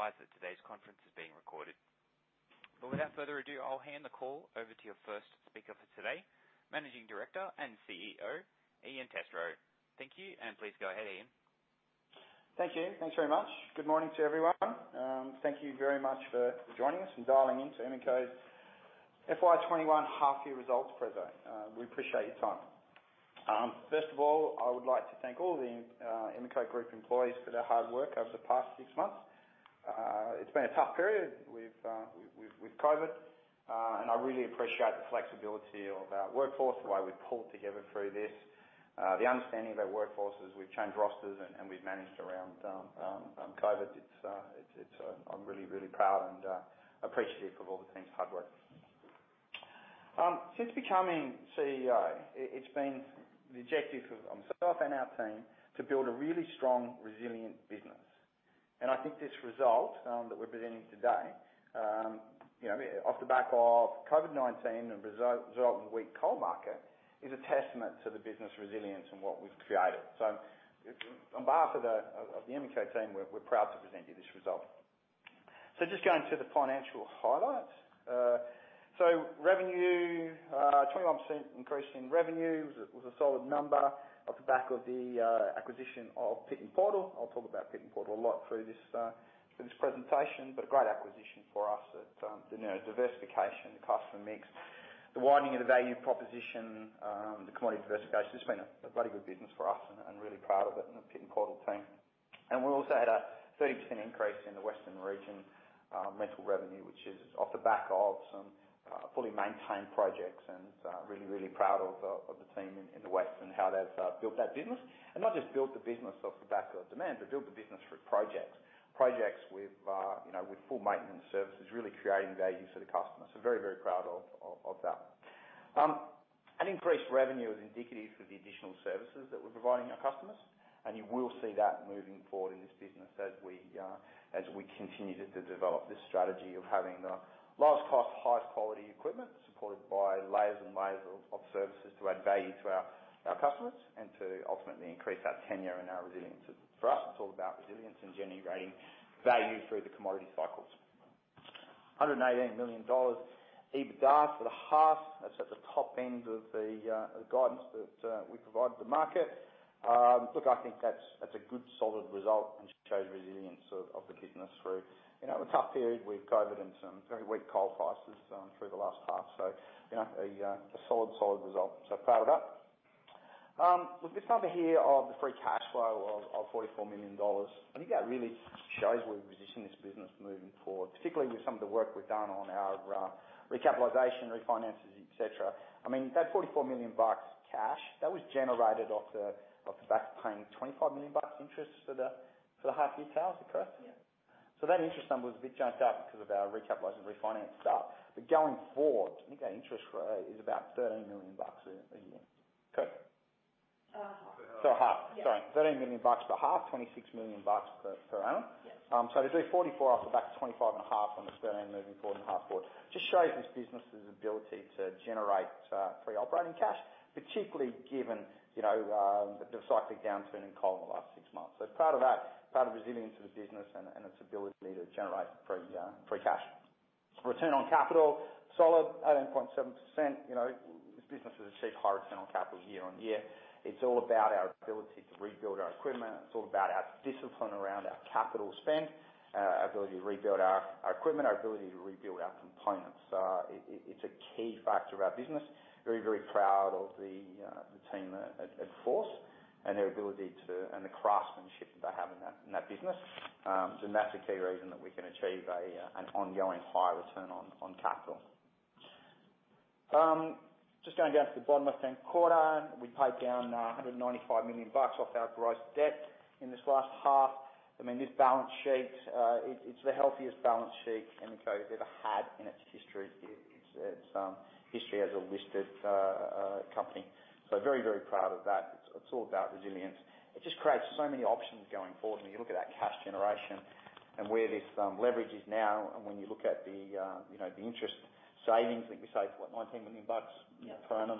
Just please be advised that today's conference is being recorded. Without further ado, I'll hand the call over to your first speaker for today, Managing Director and CEO, Ian Testrow. Thank you, and please go ahead, Ian. Thank you. Thanks very much. Good morning to everyone. Thank you very much for joining us and dialing in to Emeco's FY21 half year results presentation. We appreciate your time. First of all, I would like to thank all the Emeco Group employees for their hard work over the past six months. It's been a tough period with COVID, and I really appreciate the flexibility of our workforce, the way we pulled together through this. The understanding of our workforce as we've changed rosters and we've managed around COVID, I'm really, really proud and appreciative of all the team's hard work. Since becoming CEO, it's been the objective of myself and our team to build a really strong, resilient business. I think this result that we're presenting today, off the back of COVID-19 and a result of a weak coal market, is a testament to the business resilience and what we've created. On behalf of the Emeco team, we're proud to present you this result. Just going to the financial highlights. Revenue, 21% increase in revenue. It was a solid number off the back of the acquisition of Pit N Portal. I'll talk about Pit N Portal a lot through this presentation, but a great acquisition for us. The diversification, the customer mix, the widening of the value proposition, the commodity diversification. It's been a bloody good business for us and really proud of it and the Pit N Portal team. We also had a 30% increase in the Western region rental revenue, which is off the back of some fully maintained projects, and really, really proud of the team in the West and how they've built that business. Not just built the business off the back of demand, but built the business through projects. Projects with full maintenance services, really creating value for the customer. Very, very proud of that. An increased revenue is indicative of the additional services that we're providing our customers, and you will see that moving forward in this business as we continue to develop this strategy of having the lowest cost, highest quality equipment, supported by layers and layers of services to add value to our customers and to ultimately increase our tenure and our resilience. For us, it's all about resilience and generating value through the commodity cycles. 118 million dollars EBITDA for the half. That's at the top end of the guidance that we provided the market. I think that's a good, solid result and shows resilience of the business through a tough period with COVID-19 and some very weak coal prices through the last half. A solid result. Proud of that. This number here of the free cash flow of 44 million dollars, I think that really shows where we're positioning this business moving forward, particularly with some of the work we've done on our recapitalization, refinances, et cetera. I mean, that 44 million bucks cash, that was generated off the back of paying 25 million bucks interest for the half year, Thao, is that correct? Yeah. That interest number was a bit junked up because of our recapitalizing refinance stuff. Going forward, I think our interest is about 13 million bucks a year. Correct? For a half. For a half. Sorry. 13 million bucks for a half, 26 million bucks per annum. Yes. To do 44 off the back of 25 and a half on this 13 moving forward and half forward, just shows this business's ability to generate free operating cash, particularly given the cyclic downturn in coal in the last six months. Proud of that, proud of resilience of the business and its ability to generate free cash. Return on capital, solid 18.7%. This business has achieved higher return on capital year-on-year. It's all about our ability to rebuild our equipment. It's all about our discipline around our capital spend, our ability to rebuild our equipment, our ability to rebuild our components. It's a key factor of our business. Very, very proud of the team at Force and their ability to and the craftsmanship they have in that business. That's a key reason that we can achieve an ongoing high return on capital. Just going down to the bottom left-hand corner. We paid down 195 million bucks off our gross debt in this last half. I mean, this balance sheet, it's the healthiest balance sheet Emeco's ever had in its history as a listed company. Very, very proud of that. It's all about resilience. It just creates so many options going forward when you look at that cash generation and where this leverage is now, and when you look at the interest savings, I think we saved, what, 19 million bucks? Yeah. Per annum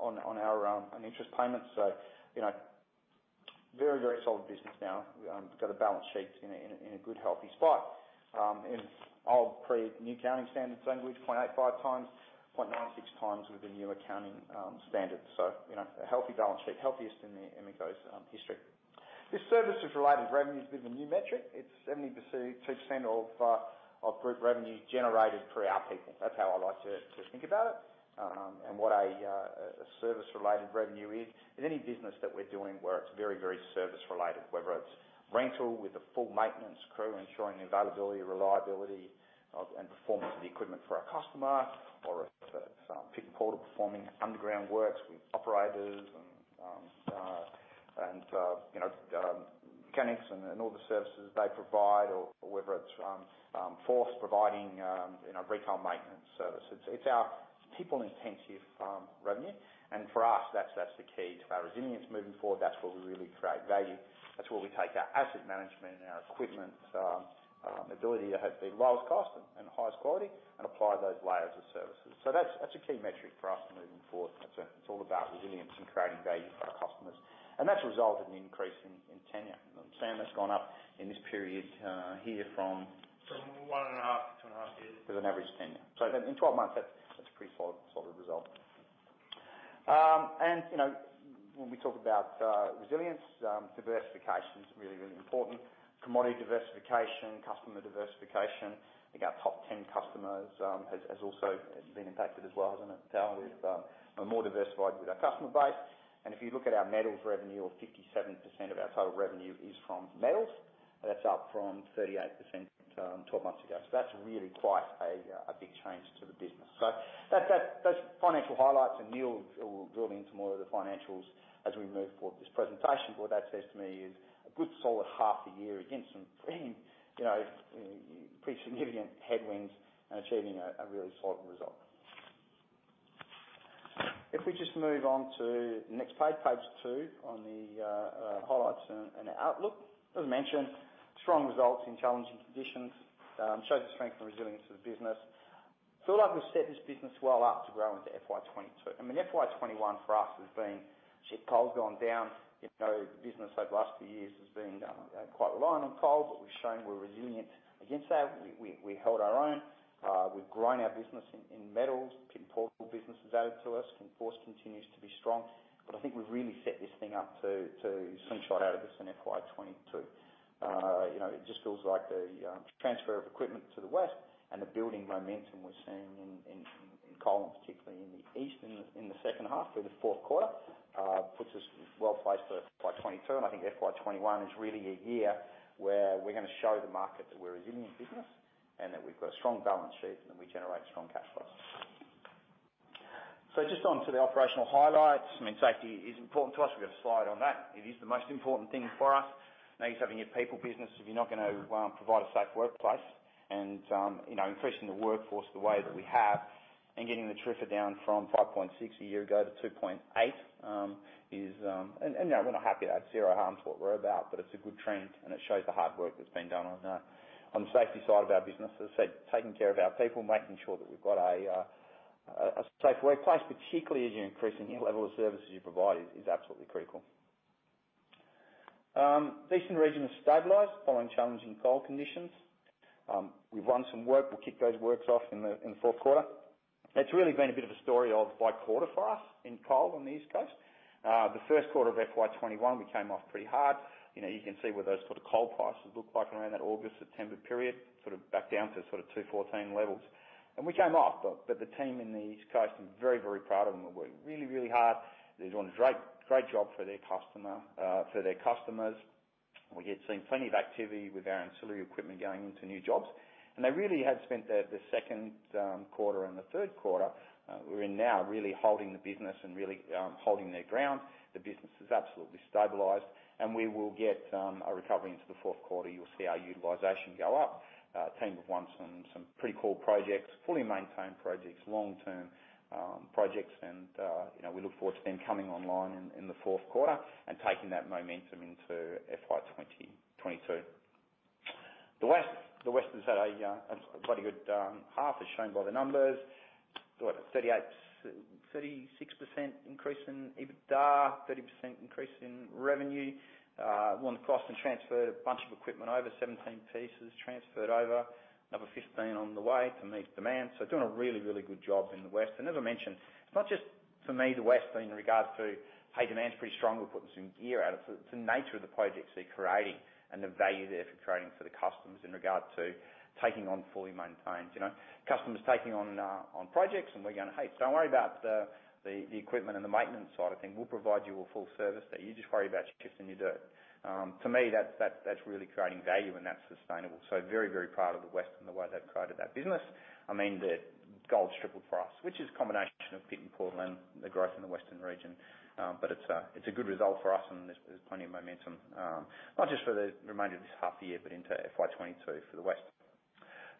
on our interest payments. Very, very solid business now. We've got a balance sheet in a good, healthy spot. In old pre-new accounting standard language, 0.85x, 0.96x with the new accounting standards. A healthy balance sheet, healthiest in Emeco's history. This services related revenue is a bit of a new metric. It's 72% of group revenue generated through our people. That's how I like to think about it. What a service related revenue is any business that we're doing where it's very, very service related, whether it's rental with a full maintenance crew ensuring the availability, reliability and performance of the equipment for our customer, or if it's Pit N Portal performing underground works with operators and mechanics and all the services they provide or whether it's Force providing retail maintenance services. It's our people intensive revenue. For us, that's the key to our resilience moving forward. That's where we really create value. That's where we take our asset management and our equipment ability to have the lowest cost and highest quality and apply those layers of services. That's a key metric for us moving forward. It's all about resilience and creating value for our customers. That's a result of an increase in tenure. I'm assuming that's gone up in this period here. From one and a half to two and a half years With an average tenure. In 12 months, that's a pretty solid result. When we talk about resilience, diversification is really important. Commodity diversification, customer diversification. I think our top 10 customers has also been impacted as well, hasn't it? We've are more diversified with our customer base. If you look at our metals revenue of 57% of our total revenue is from metals. That's up from 38%, 12 months ago. That's really quite a big change to the business. That's financial highlights, Neil will drill into more of the financials as we move forward with this presentation. What that says to me is a good solid half a year against some pretty significant headwinds and achieving a really solid result. We just move on to the next page two on the highlights and outlook. As I mentioned, strong results in challenging conditions, shows the strength and resilience of the business. Feel like we've set this business well up to grow into FY 2022. I mean, FY 2021 for us has been, ship coal's gone down. Business over the last few years has been quite reliant on coal. We've shown we're resilient against that. We held our own. We've grown our business in metals. Pit N Portal business has added to us. Force continues to be strong. I think we've really set this thing up to slingshot out of this in FY22. It just feels like the transfer of equipment to the West and the building momentum we're seeing in coal, and particularly in the East in the second half through the fourth quarter, puts us well-placed for FY22. I think FY21 is really a year where we're going to show the market that we're a resilient business and that we've got a strong balance sheet and that we generate strong cash flows. Just on to the operational highlights. I mean, safety is important to us. We've got a slide on that. It is the most important thing for us. No use having your people business if you're not going to provide a safe workplace and increasing the workforce the way that we have and getting the TRIFR down from 5.6 a year ago to 2.8. We're not happy, zero harm's what we're about, but it's a good trend, and it shows the hard work that's been done on the safety side of our business. As I said, taking care of our people, making sure that we've got a safe workplace, particularly as you're increasing your level of services you provide is absolutely critical. Eastern region has stabilized following challenging coal conditions. We've won some work. We'll kick those works off in the fourth quarter. It's really been a bit of a story of by quarter for us in coal on the East Coast. The first quarter of FY21, we came off pretty hard. You can see what those sort of coal prices looked like around that August, September period, sort of back down to sort of 214 levels. We came off, but the team in the East Coast, I'm very proud of them. They worked really hard. They've done a great job for their customers. We had seen plenty of activity with our ancillary equipment going into new jobs. They really have spent the second quarter and the third quarter we're in now really holding the business and really holding their ground. The business is absolutely stabilized, and we will get a recovery into the fourth quarter. You'll see our utilization go up. Team have won some pretty cool projects, fully maintained projects, long-term projects. We look forward to them coming online in the fourth quarter and taking that momentum into FY2022. The West has had a bloody good half as shown by the numbers. 36% increase in EBITDA, 30% increase in revenue. Won the cost and transferred a bunch of equipment over, 17 pieces transferred over. Another 15 on the way to meet demand. Doing a really good job in the West. As I mentioned, it's not just for me, the West in regards to high demand's pretty strong, we're putting some gear out. It's the nature of the projects they're creating and the value they're creating for the customers in regard to taking on fully maintained. Customers taking on projects and we're going, Hey, don't worry about the equipment and the maintenance side of things. We'll provide you a full service there. You just worry about your shifts and your dirt." To me, that's really creating value and that's sustainable. Very proud of the West and the way they've created that business. I mean, the gold standard for us, which is a combination of Pit N Portal and the growth in the Western region. It's a good result for us and there's plenty of momentum, not just for the remainder of this half year, but into FY 2022 for the West.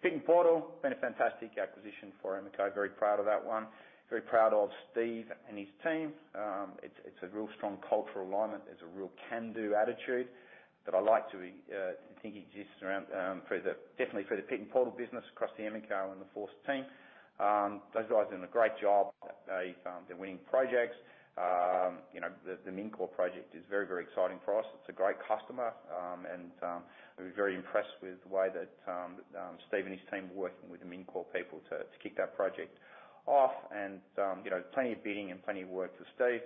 Pit N Portal, been a fantastic acquisition for Emeco. Very proud of that one. Very proud of Steve and his team. It's a real strong cultural alignment. There's a real can-do attitude that I like to think exists around, definitely for the Pit N Portal business across the Emeco and the Force team. Those guys are doing a great job. They're winning projects. The Mincor project is very exciting for us. It's a great customer. We're very impressed with the way that Steve and his team are working with the Mincor people to kick that project off. Plenty of bidding and plenty of work for Steve.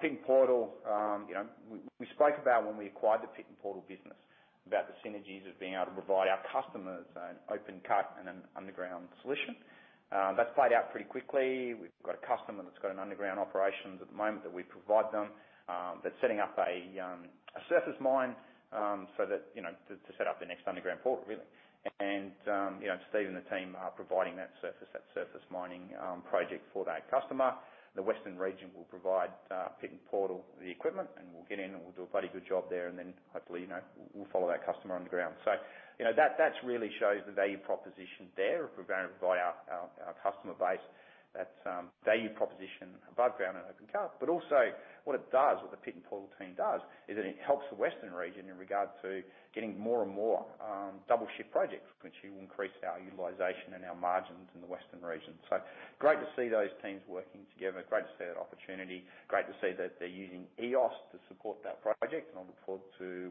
Pit N Portal, we spoke about when we acquired the Pit N Portal business about the synergies of being able to provide our customers an open cut and an underground solution. That's played out pretty quickly. We've got a customer that's got an underground operations at the moment that we provide them. They're setting up a surface mine to set up their next underground portal, really. Steve and the team are providing that surface mining project for that customer. The Western region will provide Pit N Portal the equipment, and we'll get in and we'll do a bloody good job there. Hopefully, we'll follow that customer underground. That really shows the value proposition there of providing for our customer base. That value proposition above ground and open cut, but also what the Pit N Portal team does is that it helps the Western region in regard to getting more and more double shift projects, which will increase our utilization and our margins in the Western region. Great to see those teams working together. Great to see that opportunity. Great to see that they're using EOS to support that project, and I look forward to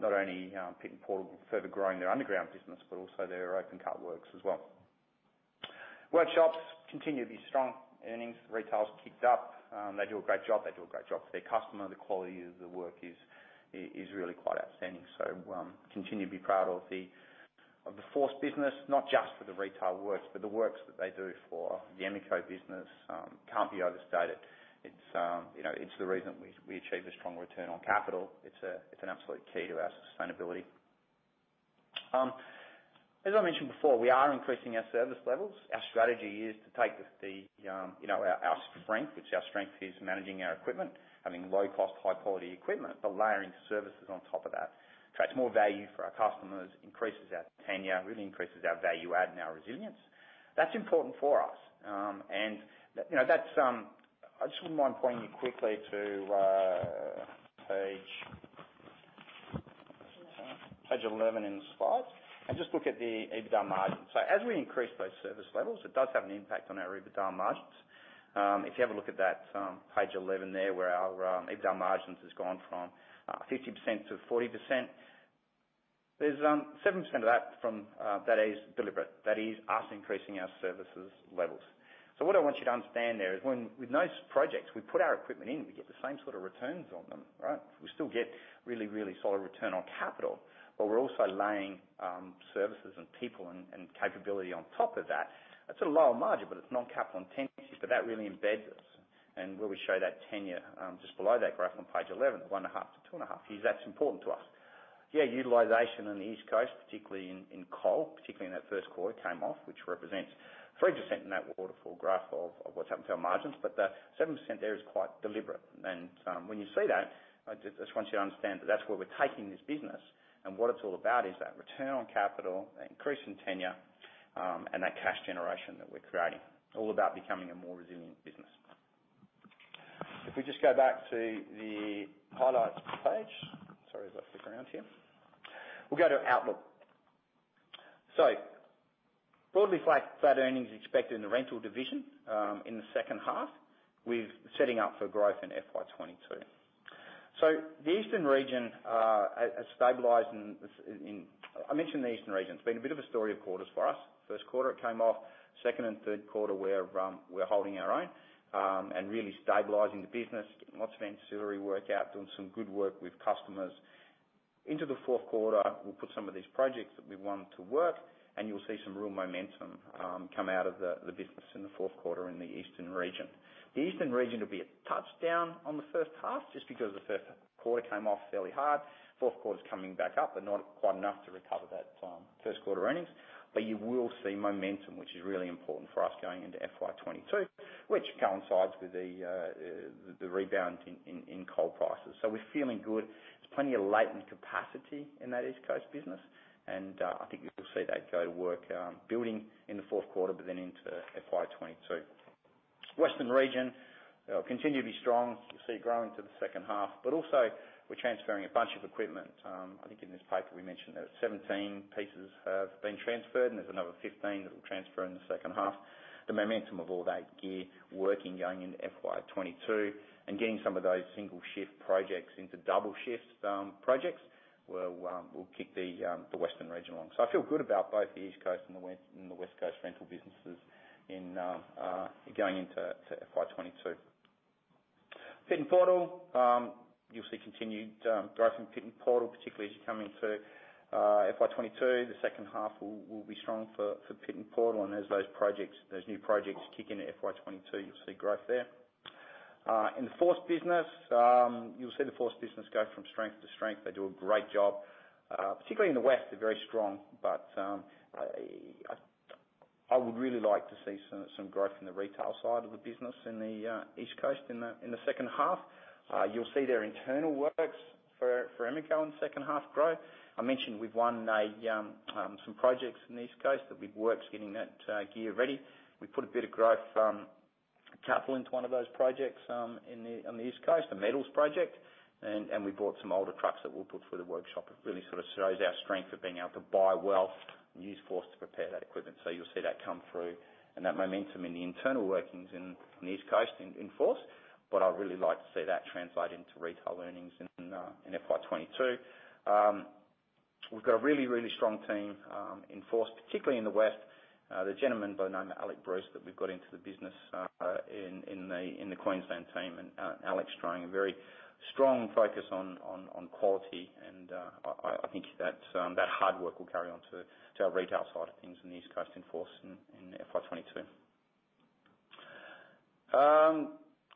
not only Pit N Portal further growing their underground business but also their open cut works as well. Workshops continue to be strong earnings. Retail's ticked up. They do a great job. They do a great job for their customer. The quality of the work is really quite outstanding. Continue to be proud of the Force business, not just for the retail works, but the works that they do for the Emeco business can't be overstated. It's the reason we achieve a strong return on capital. It's an absolute key to our sustainability. As I mentioned before, we are increasing our service levels. Our strategy is to take our strength, which our strength is managing our equipment, having low cost, high-quality equipment, but layering services on top of that, creates more value for our customers, increases our tenure, really increases our value add and our resilience. That's important for us. I just want to point you quickly to page 11 in the slides and just look at the EBITDA margin. As we increase those service levels, it does have an impact on our EBITDA margins. If you have a look at page 11 there, where our EBITDA margins has gone from 50%-40%. There's 7% of that is deliberate. That is us increasing our services levels. What I want you to understand there is with most projects, we put our equipment in, we get the same sort of returns on them, right? We still get really solid return on capital, we're also laying services and people and capability on top of that. It's a lower margin, but it's non-capital intensity, that really embeds us and where we show that tenure, just below that graph on page 11, one and a half to two and a half years, that's important to us. Yeah, utilization in the East Coast, particularly in coal, particularly in that first quarter, came off, which represents 3% in that waterfall graph of what's happened to our margins. The 7% there is quite deliberate. When you see that, I just want you to understand that that's where we're taking this business and what it's all about is that return on capital, that increase in tenure, and that cash generation that we're creating. All about becoming a more resilient business. If we just go back to the highlights page. Sorry about the ground here. We'll go to outlook. Broadly flat earnings expected in the rental division, in the second half. We're setting up for growth in FY22. The Eastern region has stabilized. I mentioned the Eastern region, it's been a bit of a story of quarters for us. First quarter it came off, second and third quarter we're holding our own, and really stabilizing the business, getting lots of ancillary work out, doing some good work with customers. Into the fourth quarter, we'll put some of these projects that we won to work, and you'll see some real momentum come out of the business in the fourth quarter in the Eastern region. The Eastern region will be a touch down on the first half, just because the first quarter came off fairly hard. Fourth quarter's coming back up, but not quite enough to recover that first quarter earnings. You will see momentum, which is really important for us going into FY 2022, which coincides with the rebound in coal prices. We're feeling good. There's plenty of latent capacity in that East Coast business, and I think you will see that go work building in the fourth quarter, but then into FY 2022. Western region will continue to be strong. You'll see it growing to the second half, but also we're transferring a bunch of equipment. I think in this paper we mentioned that 17 pieces have been transferred and there's another 15 that will transfer in the second half. The momentum of all that gear working going into FY22 and getting some of those single shift projects into double shift projects will kick the Western region along. I feel good about both the East Coast and the West Coast rental businesses going into FY22. Pit N Portal. You'll see continued growth in Pit N Portal, particularly as you come into FY22. The second half will be strong for Pit N Portal and as those new projects kick into FY22, you'll see growth there. In the Force business, you'll see the Force business go from strength to strength. They do a great job. Particularly in the west, they're very strong. I would really like to see some growth in the retail side of the business in the East Coast in the second half. You'll see their internal works for Emeco in second half growth. I mentioned we've won some projects in the East Coast that we've works getting that gear ready. We put a bit of growth capital into one of those projects on the East Coast, the metals project, and we bought some older trucks that we'll put through the workshop. It really shows our strength of being able to buy well and use Force to prepare that equipment. You'll see that come through and that momentum in the internal workings in the East Coast in Force. I'd really like to see that translate into retail earnings in FY22. We've got a really strong team in Force, particularly in the west. There's a gentleman by the name of Alex Bruce that we've got into the business in the Queensland team, and Alex is trying a very strong focus on quality, and I think that hard work will carry on to our retail side of things in the East Coast in Force in FY22.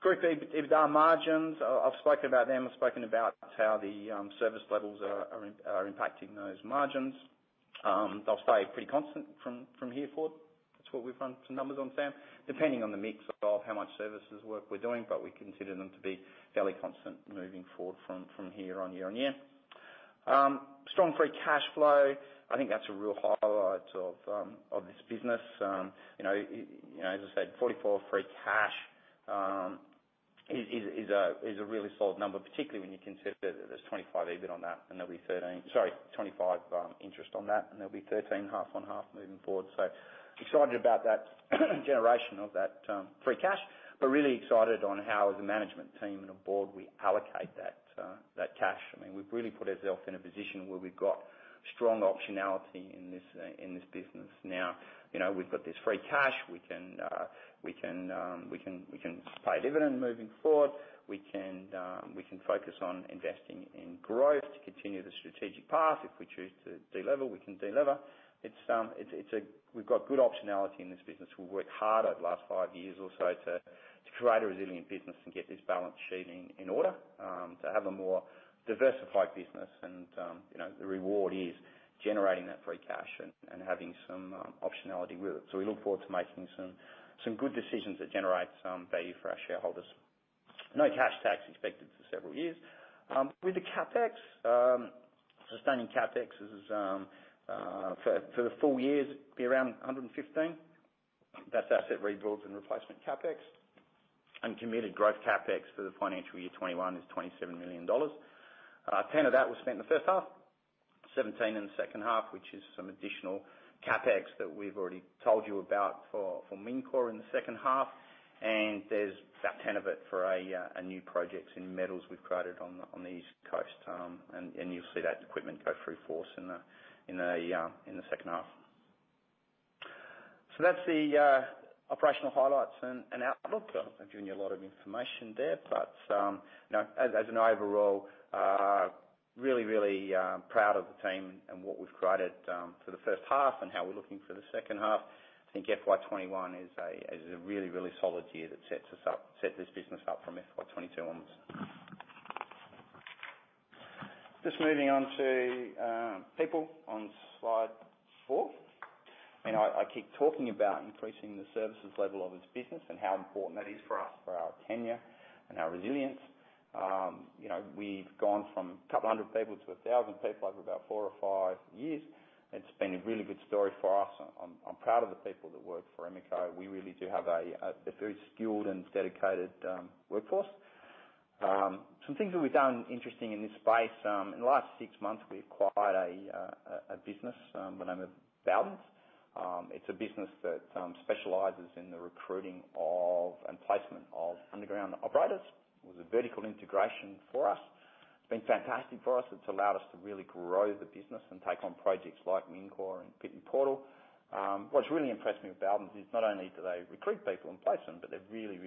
Quickly, EBITDA margins, I've spoken about them. I've spoken about how the service levels are impacting those margins. They'll stay pretty constant from here forward. That's what we've run some numbers on, Sam, depending on the mix of how much services work we're doing, but we consider them to be fairly constant moving forward from here on year on year. Strong free cash flow, I think that's a real highlight of this business. As I said, 44 free cash is a really solid number, particularly when you consider that there's 25 EBIT on that and there'll be 25 interest on that, and there'll be 13 half on half moving forward. Excited about that generation of that free cash, but really excited on how, as a management team and a board, we allocate that cash. We've really put ourselves in a position where we've got strong optionality in this business. We've got this free cash. We can pay dividend moving forward. We can focus on investing in growth to continue the strategic path. If we choose to de-lever, we can de-lever. We've got good optionality in this business. We've worked hard over the last five years or so to create a resilient business and get this balance sheet in order, to have a more diversified business. The reward is generating that free cash and having some optionality with it. We look forward to making some good decisions that generate some value for our shareholders. No cash tax expected for several years. With the CapEx, sustaining CapEx is, for the full year, it will be around 115 million. That is asset rebuilds and replacement CapEx. Committed growth CapEx for the FY21 is 27 million dollars. 10 million of that was spent in the first half, 17 million in the second half, which is some additional CapEx that we have already told you about for Mincor in the second half. There is about 10 million of it for a new project in metals we have created on the East Coast. You will see that equipment go through Force in the second half. That is the operational highlights and outlook. I've given you a lot of information there, but as an overall, really proud of the team and what we've created for the first half and how we're looking for the second half. I think FY 2021 is a really solid year that sets this business up from FY 2022 onwards. Just moving on to people on slide four. I keep talking about increasing the services level of this business and how important that is for us, for our tenure and our resilience. We've gone from 200 people to 1,000 people over about four or five years. It's been a really good story for us. I'm proud of the people that work for Emeco. We really do have a very skilled and dedicated workforce. Some things that we've done interesting in this space. In the last six months, we acquired a business by the name of Bowden Select. It's a business that specializes in the recruiting of and placement of underground operators. It was a vertical integration for us. It's been fantastic for us. It's allowed us to really grow the business and take on projects like Mincor and Pit N Portal. What's really impressed me with Bowdens is not only do they recruit people and place them, but they're really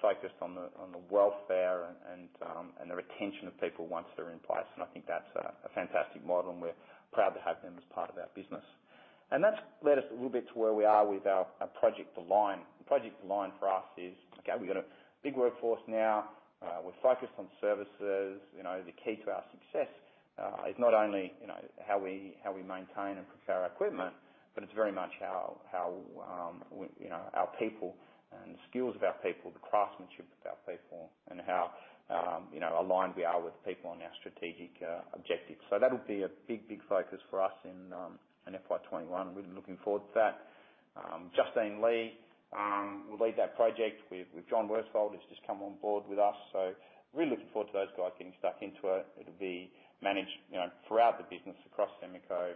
focused on the welfare and the retention of people once they're in place. I think that's a fantastic model, and we're proud to have them as part of our business. That's led us a little bit to where we are with our Project Align. Project Align for us is, okay, we've got a big workforce now. We're focused on services. The key to our success is not only how we maintain and prepare our equipment, but it's very much how our people and the skills of our people, the craftsmanship of our people, and how aligned we are with people on our strategic objectives. That'll be a big focus for us in FY21. Really looking forward to that. Justine Lea will lead that project with John Westholt, who's just come on board with us. Really looking forward to those guys getting stuck into it. It'll be managed throughout the business across Emeco,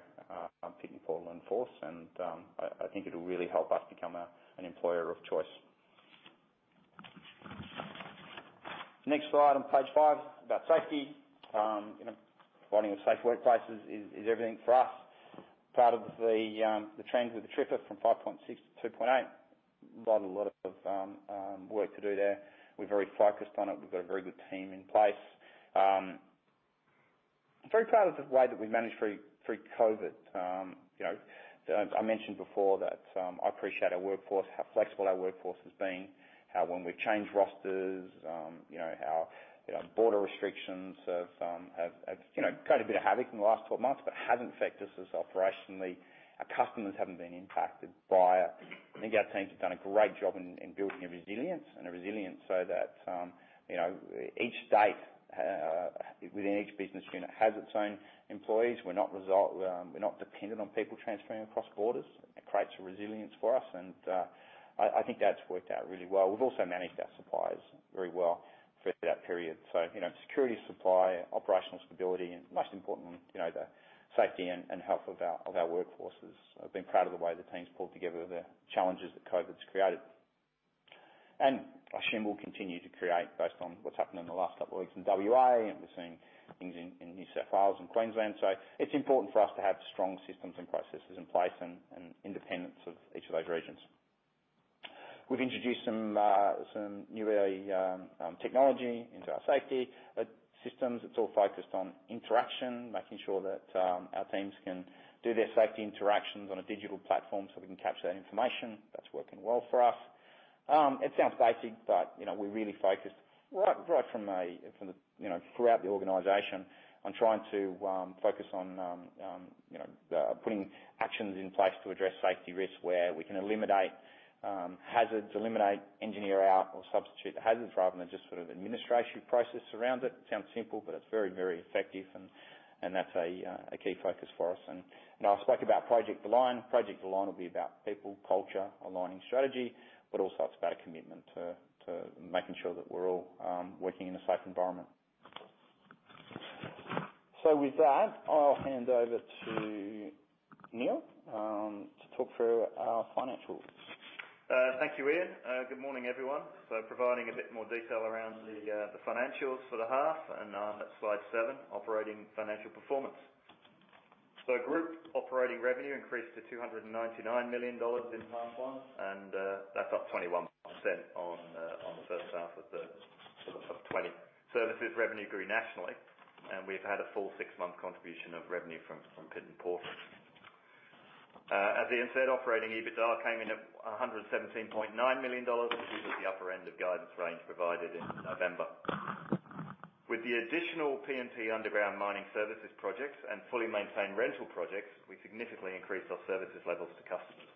Pit N Portal, and Force. I think it'll really help us become an employer of choice. Next slide on page five, about safety. Providing a safe workplace is everything for us. Proud of the trends with the TRIFR from 5.6-2.8. Got a lot of work to do there. We're very focused on it. We've got a very good team in place. Very proud of the way that we managed through COVID-19. I mentioned before that I appreciate our workforce, how flexible our workforce has been, how when we've changed rosters, how border restrictions have created a bit of havoc in the last 12 months, but hasn't affected us operationally. Our customers haven't been impacted by it. I think our teams have done a great job in building a resilience so that each state within each business unit has its own employees. We're not dependent on people transferring across borders. It creates a resilience for us, and I think that's worked out really well. We've also managed our suppliers very well throughout that period. Security of supply, operational stability, and most importantly, the safety and health of our workforces. I've been proud of the way the team's pulled together the challenges that COVID's created. I assume we'll continue to create based on what's happened in the last couple of weeks in W.A., and we're seeing things in New South Wales and Queensland. It's important for us to have strong systems and processes in place and independence of each of those regions. We've introduced some new technology into our safety systems. It's all focused on interaction, making sure that our teams can do their safety interactions on a digital platform so we can capture that information. That's working well for us. It sounds basic, but we really focused throughout the organization on trying to focus on putting actions in place to address safety risks where we can eliminate hazards, eliminate engineer out, or substitute the hazards rather than just sort of administration process around it. It sounds simple, but it's very, very effective and that's a key focus for us. I spoke about Project Align. Project Align will be about people, culture, aligning strategy, but also it's about a commitment to making sure that we're all working in a safe environment. With that, I'll hand over to Neil to talk through our financials. Thank you, Ian. Good morning, everyone. Providing a bit more detail around the financials for the half, and that's slide seven, operating financial performance. Group operating revenue increased to 299 million dollars in half one, and that's up 21% on the first half of 2020. Services revenue grew nationally, and we've had a full six-month contribution of revenue from Pit N Portal. As Ian said, operating EBITDA came in at AUD 117.9 million, which is at the upper end of guidance range provided in November. With the additional P&P underground mining services projects and fully maintained rental projects, we significantly increased our services levels to customers.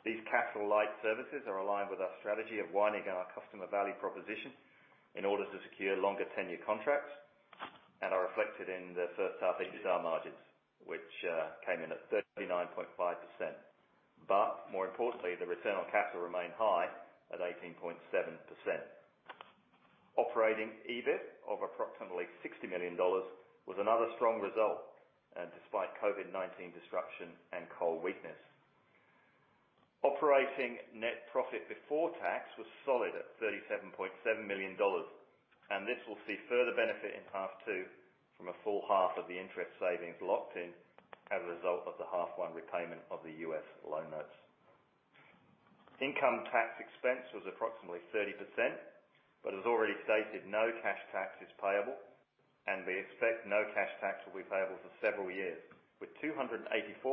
These capital-light services are aligned with our strategy of widening our customer value proposition in order to secure longer tenure contracts and are reflected in the first half EBITDA margins, which came in at 39.5%. More importantly, the return on capital remained high at 18.7%. Operating EBIT of approximately 60 million dollars was another strong result, and despite COVID-19 disruption and coal weakness. Operating net profit before tax was solid at 37.7 million dollars. This will see further benefit in half two from a full half of the interest savings locked in as a result of the half one repayment of the U.S. loan notes. Income tax expense was approximately 30%. As already stated, no cash tax is payable. We expect no cash tax will be payable for several years, with 284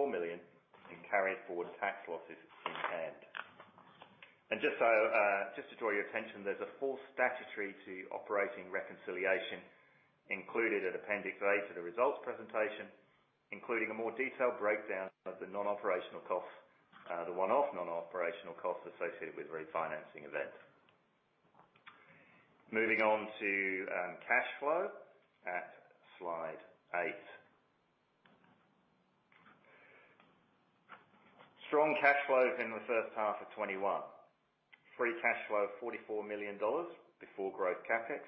million in carry forward tax losses in hand. Just to draw your attention, there's a full statutory to operating reconciliation included at Appendix A to the results presentation, including a more detailed breakdown of the non-operational costs, the one-off non-operational costs associated with refinancing events. Moving on to cash flow at slide eight. Strong cash flows in the first half of 2021. Free cash flow of 44 million dollars before growth CapEx,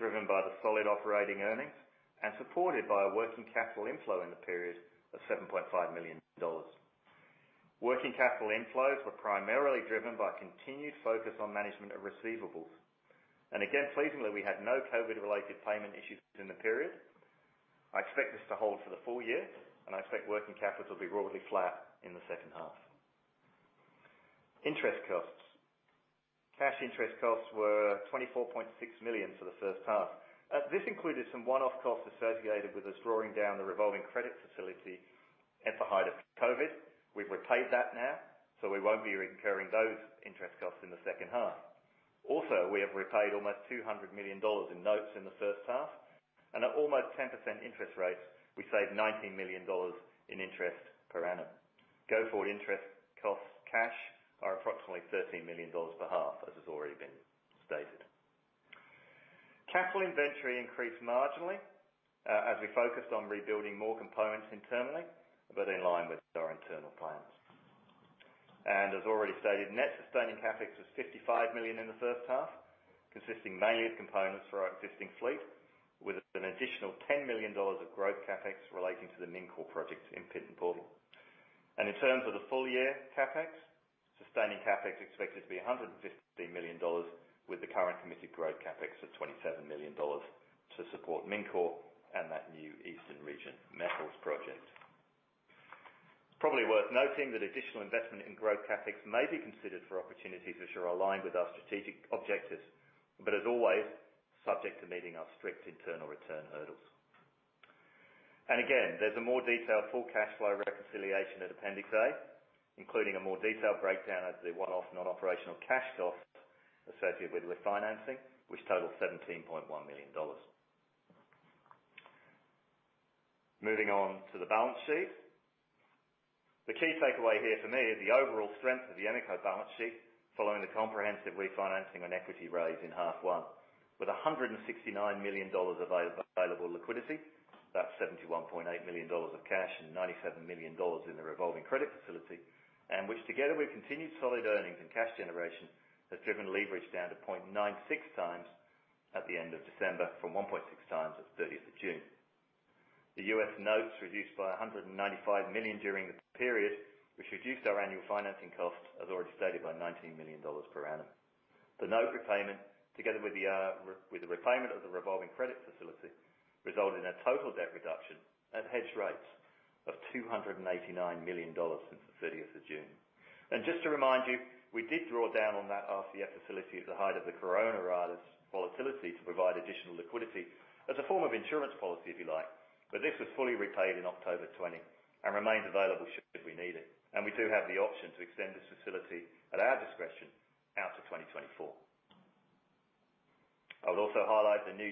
driven by the solid operating earnings and supported by a working capital inflow in the period of 7.5 million dollars. Working capital inflows were primarily driven by continued focus on management of receivables. Again, pleasingly, we had no COVID-related payment issues during the period. I expect this to hold for the full year. I expect working capital to be broadly flat in the second half. Interest costs. Cash interest costs were 24.6 million for the first half. This included some one-off costs associated with us drawing down the revolving credit facility at the height of COVID. We've repaid that now. We won't be incurring those interest costs in the second half. We have repaid almost 200 million dollars in notes in the first half, and at almost 10% interest rate, we saved 19 million dollars in interest per annum. Go-forward interest costs cash are approximately 13 million dollars per half, as has already been stated. Capital inventory increased marginally as we focused on rebuilding more components internally, in line with our internal plans. As already stated, net sustaining CapEx was 55 million in the first half, consisting mainly of components for our existing fleet, with an additional 10 million dollars of growth CapEx relating to the Mincor project in Pit N Portal. In terms of the full-year CapEx, sustaining CapEx is expected to be 115 million dollars, with the current committed growth CapEx of 27 million dollars to support Mincor and that new Eastern Region Metals project. It's probably worth noting that additional investment in growth CapEx may be considered for opportunities which are aligned with our strategic objectives, but as always, subject to meeting our strict internal return hurdles. Again, there's a more detailed full cash flow reconciliation at Appendix A, including a more detailed breakdown of the one-off non-operational cash costs associated with refinancing, which totals 17.1 million dollars. Moving on to the balance sheet. The key takeaway here for me is the overall strength of the Emeco balance sheet following the comprehensive refinancing and equity raise in H1. With 169 million dollars available liquidity, that's 71.8 million dollars of cash and 97 million dollars in the revolving credit facility, which together with continued solid earnings and cash generation, has driven leverage down to 0.96x at the end of December from 1.6x at 30th June. The U.S. notes reduced by 195 million during the period, which reduced our annual financing cost, as already stated, by 19 million dollars per annum. The note repayment, together with the repayment of the revolving credit facility, result in a total debt reduction at hedge rates of 289 million dollars since the 30th of June. Just to remind you, we did draw down on that RCF-Facility at the height of the coronavirus volatility to provide additional liquidity as a form of insurance policy, if you like. This was fully repaid in October 2020 and remains available should we need it. We do have the option to extend this facility at our discretion out to 2024. I would also highlight the new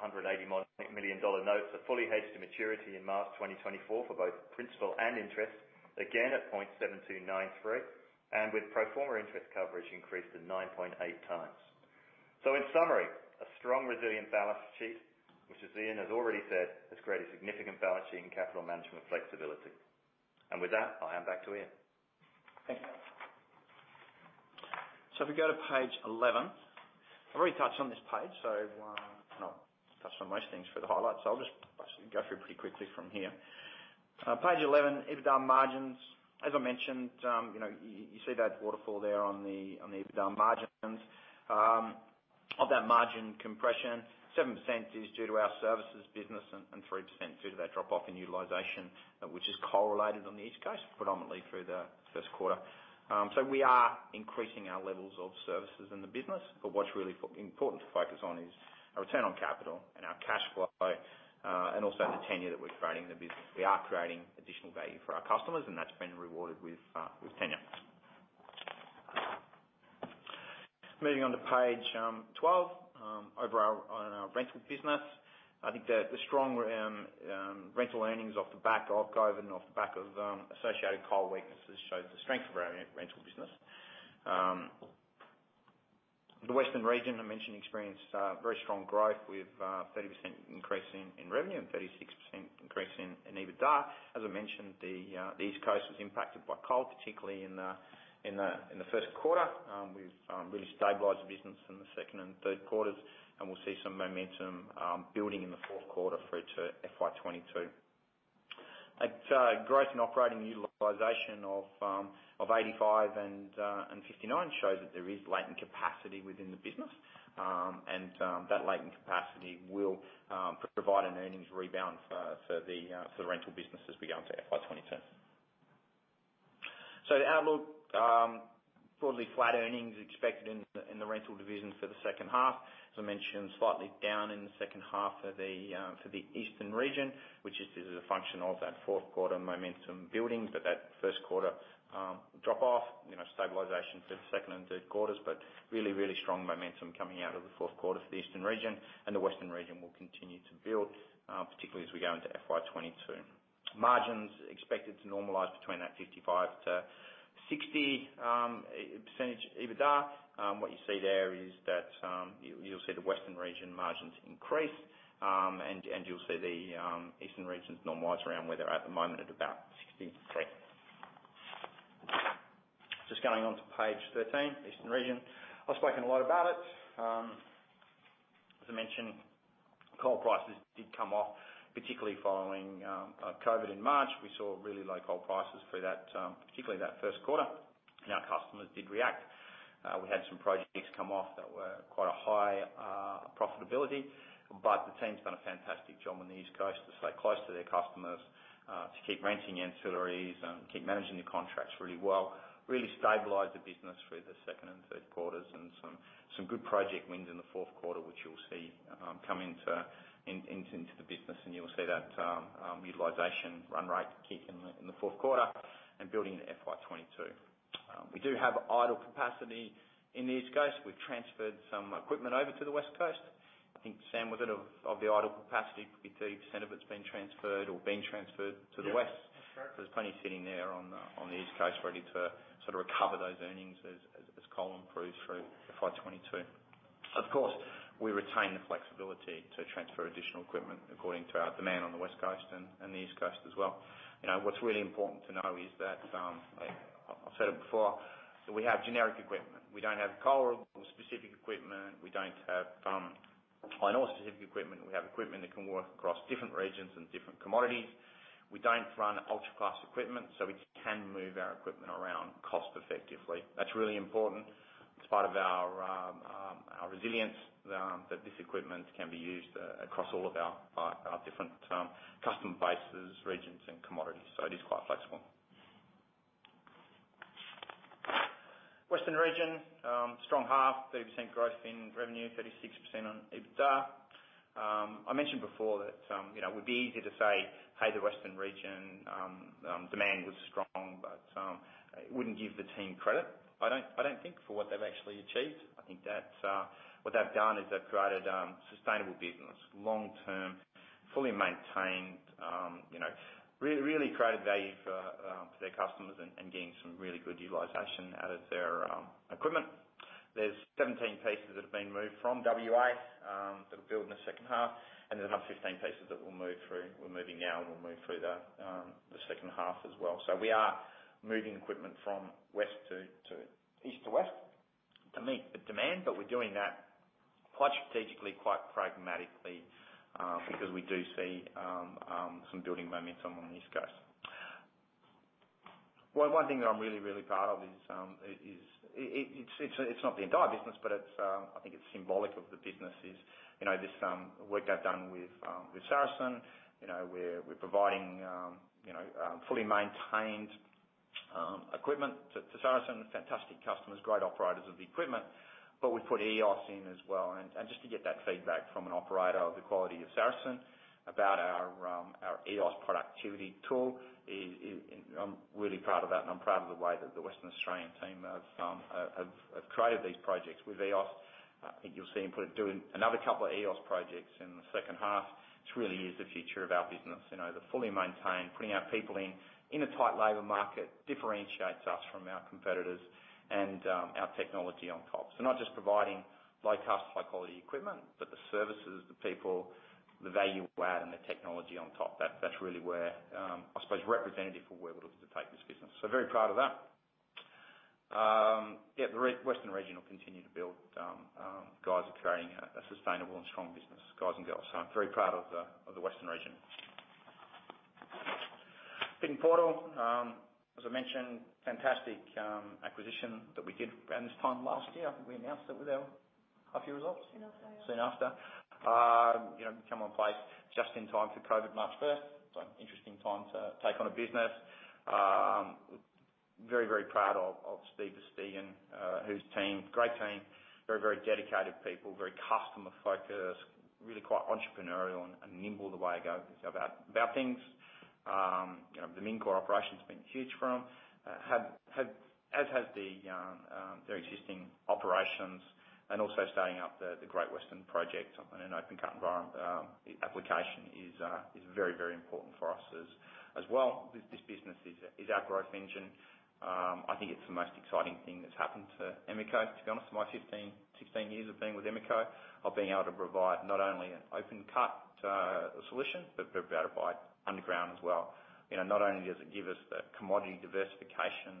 $180 million note fully hedged to maturity in March 2024 for both principal and interest, again, at 0.7293, and with pro forma interest coverage increased to 9.8 times. In summary, a strong, resilient balance sheet, which as Ian has already said, has created significant balance sheet and capital management flexibility. With that, I hand back to Ian. Thanks, mate. If we go to page 11. I've already touched on this page, so I've touched on most things for the highlights. I'll just actually go through pretty quickly from here. Page 11, EBITDA margins. As I mentioned, you see that waterfall there on the EBITDA margins. Of that margin compression, 7% is due to our services business and 3% due to that drop-off in utilization, which is correlated on the East Coast predominantly through the first quarter. We are increasing our levels of services in the business. What's really important to focus on is our return on capital and our cash flow, and also the tenure that we're creating in the business. We are creating additional value for our customers, and that's been rewarded with tenure. Moving on to page 12, on our rental business. I think the strong rental earnings off the back of COVID-19 and off the back of associated coal weaknesses shows the strength of our rental business. The Western region, I mentioned, experienced very strong growth with 30% increase in revenue and 36% increase in EBITDA. As I mentioned, the East Coast was impacted by coal, particularly in the first quarter. We've really stabilized the business in the second and third quarters, and we'll see some momentum building in the fourth quarter through to FY22. A growth in operating utilization of 85% and 59% shows that there is latent capacity within the business. That latent capacity will provide an earnings rebound for the rental business as we go into FY22. The outlook, broadly flat earnings expected in the rental division for the second half. As I mentioned, slightly down in the second half for the Eastern region, which is a function of that fourth quarter momentum building. That first quarter drop-off, stabilization for the second and third quarters, but really strong momentum coming out of the fourth quarter for the Eastern region. The Western region will continue to build, particularly as we go into FY 2022. Margins expected to normalize between that 55%-60% EBITDA. What you see there is that you'll see the Western region margins increase, and you'll see the Eastern regions normalize around where they're at the moment at about 63%. Just going on to page 13, Eastern region. I've spoken a lot about it. As I mentioned, coal prices did come off, particularly following COVID-19 in March. We saw really low coal prices through, particularly that first quarter, and our customers did react. We had some projects come off that were quite a high profitability. The team's done a fantastic job on the East Coast to stay close to their customers, to keep renting ancillaries and keep managing their contracts really well, really stabilize the business through the second and third quarters, and some good project wins in the fourth quarter, which you'll see come into the business. You'll see that utilization run rate kick in the fourth quarter and building into FY 2022. We do have idle capacity in the East Coast. We've transferred some equipment over to the West Coast. I think Sam was it of the idle capacity, 50% of it's been transferred or being transferred to the West? Yeah. That's correct. There's plenty sitting there on the East Coast ready to recover those earnings as coal improves through FY 2022. Of course, we retain the flexibility to transfer additional equipment according to our demand on the West Coast and the East Coast as well. What's really important to know is that, I've said it before, that we have generic equipment. We don't have coal-specific equipment. We don't have iron ore-specific equipment. We have equipment that can work across different regions and different commodities. We don't run ultra-class equipment. We can move our equipment around cost effectively. That's really important as part of our resilience, that this equipment can be used across all of our different customer bases, regions, and commodities. It is quite flexible. Western region, strong half, 30% growth in revenue, 36% on EBITDA. I mentioned before that it would be easy to say, "Hey, the Western region demand was strong," but it wouldn't give the team credit, I don't think, for what they've actually achieved. I think that what they've done is they've created sustainable business, long-term, fully maintained. Really created value for their customers and getting some really good utilization out of their equipment. There's 17 pieces that have been moved from W.A. that will build in the second half, and there's another 15 pieces that we're moving now, and we'll move through the second half as well. We are moving equipment from East to West to meet the demand, but we're doing that quite strategically, quite pragmatically, because we do see some building momentum on the East Coast. One thing that I'm really proud of is, it's not the entire business, but I think it's symbolic of the business is this work I've done with Saracen. We're providing fully maintained equipment to Saracen, fantastic customers, great operators of the equipment. We put EOS in as well, and just to get that feedback from an operator of the quality of Saracen about our EOS productivity tool. I'm really proud of that, and I'm proud of the way that the Western Australian team have created these projects with EOS. I think you'll see them doing another couple of EOS projects in the second half. This really is the future of our business. The fully maintained, putting our people in a tight labor market differentiates us from our competitors and our technology on top. Not just providing low cost, high quality equipment, but the services, the people, the value add and the technology on top. That's really representative for where we're looking to take this business. Very proud of that. The Western region will continue to build. Guys are creating a sustainable and strong business, guys and girls. I'm very proud of the Western region. Pit N Portal. As I mentioned, fantastic acquisition that we did around this time last year. I think we announced it with our half year results. Soon after. Soon after. We came on place just in time for COVID, March 1st. Interesting time to take on a business. Very, very proud of Steve Versteegen, whose team, great team, very, very dedicated people, very customer focused, really quite entrepreneurial and nimble the way they go about things. The Mincor operation's been huge for them, as have their existing operations and also starting up the Great Western project on an open cut application is very, very important for us as well. This business is our growth engine. I think it's the most exciting thing that's happened to Emeco, to be honest, in my 15, 16 years of being with Emeco. Of being able to provide not only an open cut solution, but be able to provide underground as well. Not only does it give us the commodity diversification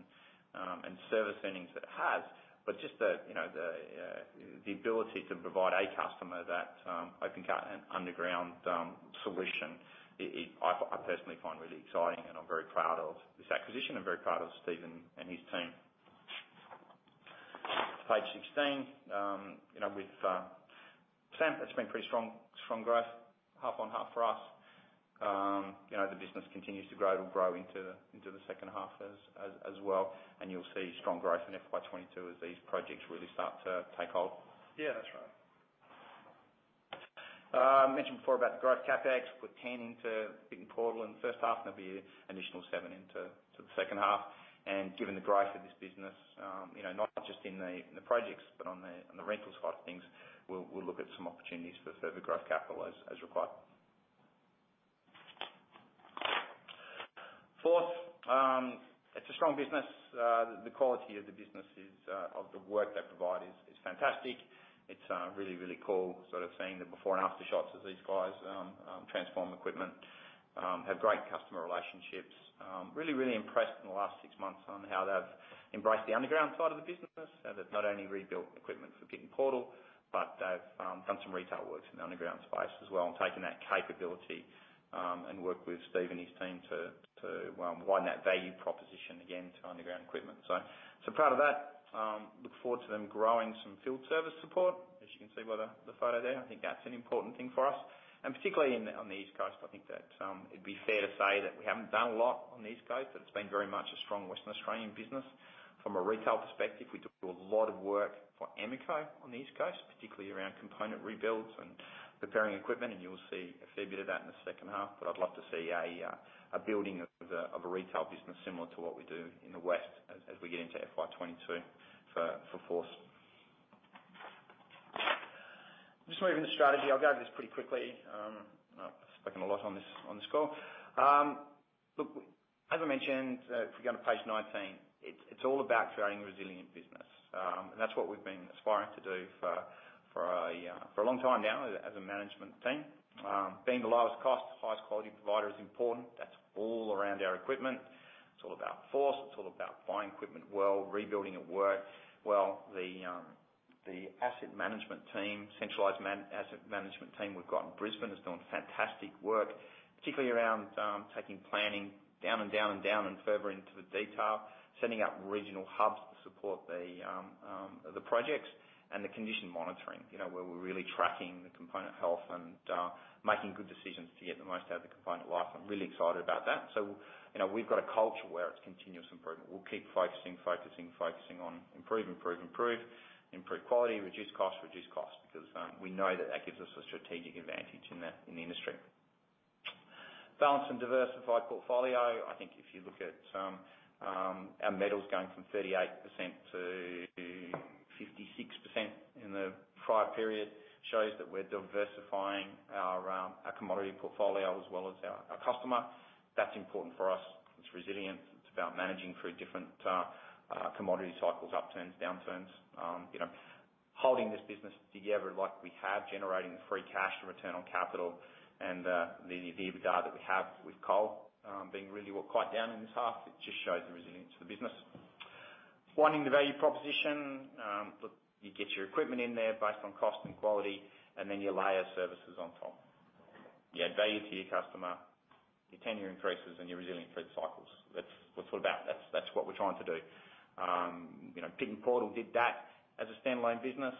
and service earnings that it has, but just the ability to provide a customer that open cut and underground solution, I personally find really exciting and I'm very proud of this acquisition and very proud of Steven and his team. Page 16. With SAM, it's been pretty strong growth half on half for us. The business continues to grow into the second half as well. You'll see strong growth in FY 2022 as these projects really start to take hold. Yeah, that's right. I mentioned before about the growth CapEx. Put 10 into Pit N Portal in the first half of the year, additional 7 into the second half. Given the growth of this business, not just in the projects but on the rental side of things, we'll look at some opportunities for further growth capital as required. Force. It's a strong business. The quality of the business, of the work they provide is fantastic. It's really cool seeing the before and after shots as these guys transform equipment. Have great customer relationships. Really impressed in the last six months on how they've embraced the underground side of the business. They've not only rebuilt equipment for Pit N Portal, but they've done some retail works in the underground space as well, and taken that capability, and worked with Steve and his team to widen that value proposition again to underground equipment. Proud of that. Look forward to them growing some field service support, as you can see by the photo there. I think that's an important thing for us. Particularly on the East Coast, I think that it'd be fair to say that we haven't done a lot on the East Coast, that it's been very much a strong Western Australian business. From a retail perspective, we do a lot of work for Emeco on the East Coast, particularly around component rebuilds and preparing equipment, and you'll see a fair bit of that in the second half. I'd love to see a building of a retail business similar to what we do in the west as we get into FY 2022 for Force. Just moving to strategy. I'll go over this pretty quickly. I've spoken a lot on this call. Look, as I mentioned, if we go to page 19, it's all about creating a resilient business. That's what we've been aspiring to do for a long time now as a management team. Being the lowest cost, highest quality provider is important. That's all around our equipment. It's all about Force. It's all about buying equipment well, rebuilding it well. The asset management team, centralized asset management team we've got in Brisbane has done fantastic work, particularly around taking planning down and down and down and further into the detail. Setting up regional hubs to support the projects, and the condition monitoring, where we're really tracking the component health and making good decisions to get the most out of the component life. I'm really excited about that. We've got a culture where it's continuous improvement. We'll keep focusing on improve. Improve quality, reduce cost. We know that that gives us a strategic advantage in the industry. Balanced and diversified portfolio. I think if you look at our metals going from 38%-56% in the prior period shows that we're diversifying our commodity portfolio as well as our customer. That's important for us. It's resilience. It's about managing through different commodity cycles, upturns, downturns. Holding this business together like we have, generating the free cash, the return on capital and the EBITDA that we have with coal being really quite down in this half, it just shows the resilience of the business. Widening the value proposition. Look, you get your equipment in there based on cost and quality, and then you layer services on top. You add value to your customer, you attain your increases, and you're resilient through the cycles. That's what it's all about. That's what we're trying to do. Pit N Portal did that as a standalone business.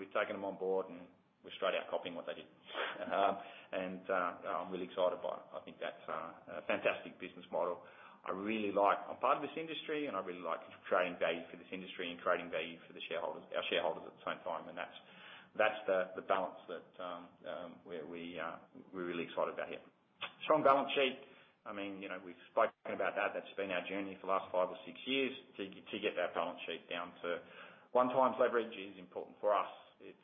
We've taken them on board, we're straight out copying what they did. I'm really excited. That's a fantastic business model. I'm part of this industry, and I really like creating value for this industry and creating value for our shareholders at the same time, and that's the balance that we're really excited about here. Strong balance sheet. We've spoken about that. That's been our journey for the last five or six years to get that balance sheet down to 1x leverage is important for us. It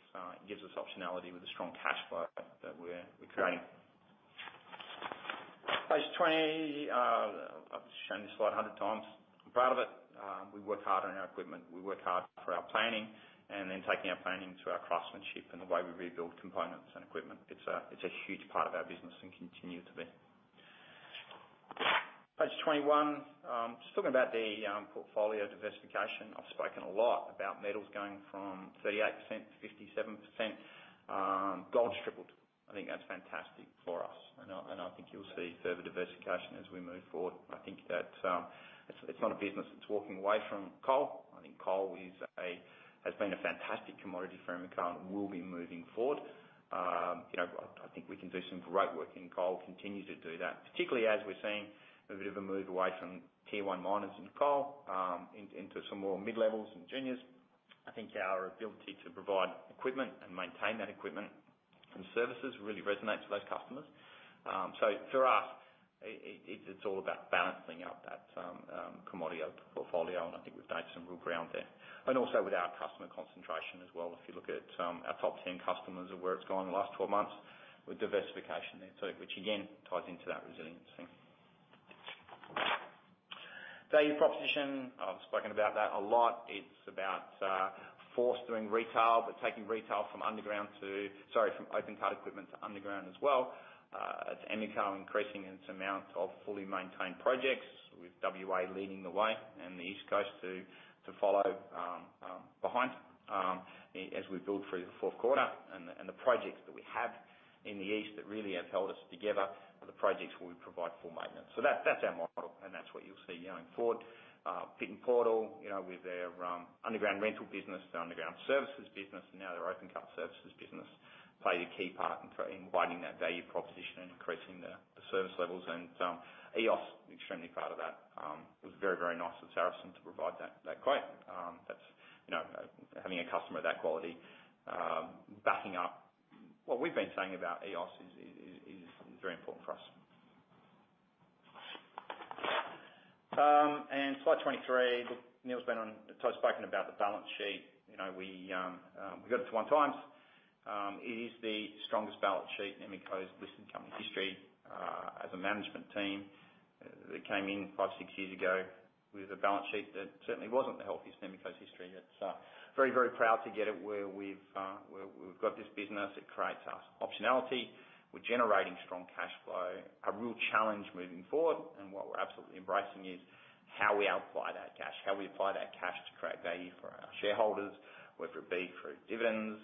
gives us optionality with a strong cash flow that we're creating. Page 20. I've shown this slide 100x. I'm proud of it. We work hard on our equipment. We work hard for our planning and then taking our planning to our craftsmanship and the way we rebuild components and equipment. It's a huge part of our business and continues to be. Page 21, just talking about the portfolio diversification. I've spoken a lot about metals going from 38%-57%. Gold's tripled. I think that's fantastic for us, and I think you'll see further diversification as we move forward. I think that it's not a business that's walking away from coal. I think coal has been a fantastic commodity for Emeco and will be moving forward. I think we can do some great work in coal, continue to do that, particularly as we're seeing a bit of a move away from tier one miners in coal into some more mid-levels and juniors. I think our ability to provide equipment and maintain that equipment and services really resonates with those customers. For us, it's all about balancing out that commodity portfolio, and I think we've done some real ground there. Also with our customer concentration as well. If you look at our top 10 customers of where it's gone in the last 12 months with diversification there too, which again ties into that resiliency. Value proposition, I've spoken about that a lot. It's about Force through retail, but taking retail from open cut equipment to underground as well. It's Emeco increasing its amount of fully maintained projects with W.A. leading the way and the East Coast to follow behind as we build through the fourth quarter and the projects that we have in the east that really have held us together are the projects where we provide full maintenance. That's our model, and that's what you'll see going forward. Pit N Portal with their underground rental business, their underground services business, and now their open cut services business play a key part in widening that value proposition and increasing the service levels. EOS, extremely proud of that. It was very, very nice of Saracen to provide that quote. Having a customer of that quality backing up what we've been saying about EOS is very important for us. Slide 23, Neil's spoken about the balance sheet. We got it to one times. It is the strongest balance sheet in Emeco's listed company history. As a management team that came in five, six years ago with a balance sheet that certainly wasn't the healthiest in Emeco's history. Very, very proud to get it where we've got this business. It creates optionality. We're generating strong cash flow. A real challenge moving forward, and what we're absolutely embracing is how we apply that cash, how we apply that cash to create value for our shareholders, whether it be through dividends.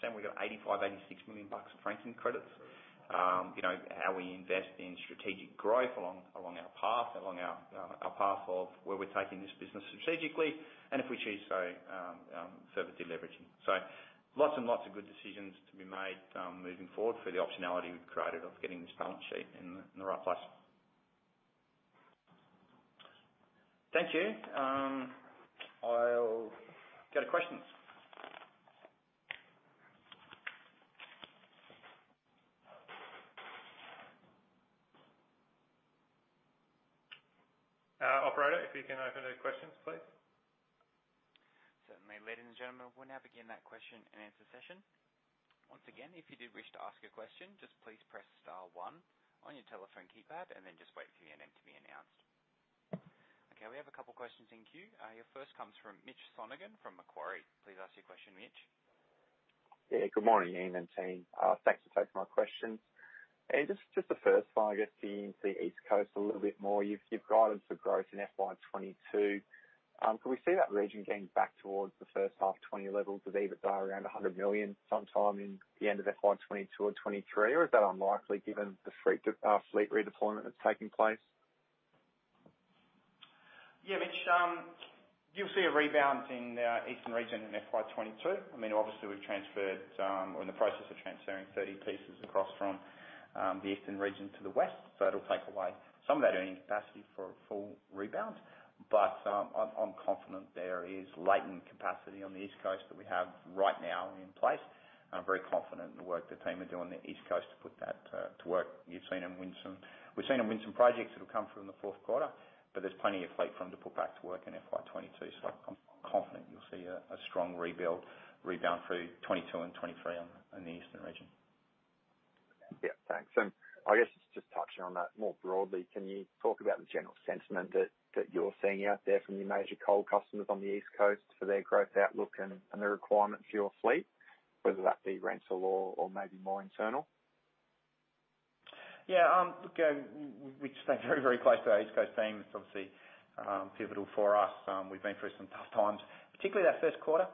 Sam, we got 85 million, 86 million bucks of franking credits. How we invest in strategic growth along our path of where we're taking this business strategically, and if we choose so, further deleveraging. Lots and lots of good decisions to be made moving forward for the optionality we've created of getting this balance sheet in the right place. Thank you. I'll go to questions. Operator, if you can open the questions, please. Certainly, ladies and gentlemen, we'll now begin that question and answer session. Once again, if you do wish to ask a question, just please press star one on your telephone keypad and then just wait for your name to be announced. Okay, we have a couple of questions in queue. Your first comes from Mitch Sonogan from Macquarie. Please ask your question, Mitch. Yeah, good morning, Ian and team. Thanks for taking my questions. The first one, I guess, Ian, for the East Coast a little bit more. You've guided for growth in FY 2022. Can we see that region getting back towards the first half 2020 levels of EBITDA around 100 million sometime in the end of FY 2022 or 2023? Or is that unlikely given the fleet redeployment that's taking place? Yeah, Mitch, you'll see a rebound in the Eastern region in FY 2022. Obviously, we're in the process of transferring 30 pieces across from the Eastern region to the West, so it'll take away some of that earning capacity for a full rebound. I'm confident there is latent capacity on the East Coast that we have right now in place. I'm very confident in the work the team are doing on the East Coast to put that to work. We've seen them win some projects that will come through in the fourth quarter, but there's plenty of fleet for them to put back to work in FY 2022, so I'm confident you'll see a strong rebound through 2022 and 2023 in the Eastern region. Yeah, thanks. I guess just touching on that more broadly, can you talk about the general sentiment that you're seeing out there from your major coal customers on the East Coast for their growth outlook and the requirement for your fleet, whether that be rental or maybe more internal? Yeah. Look, we've stayed very, very close to the East Coast team. It's obviously pivotal for us. We've been through some tough times, particularly that 1st quarter.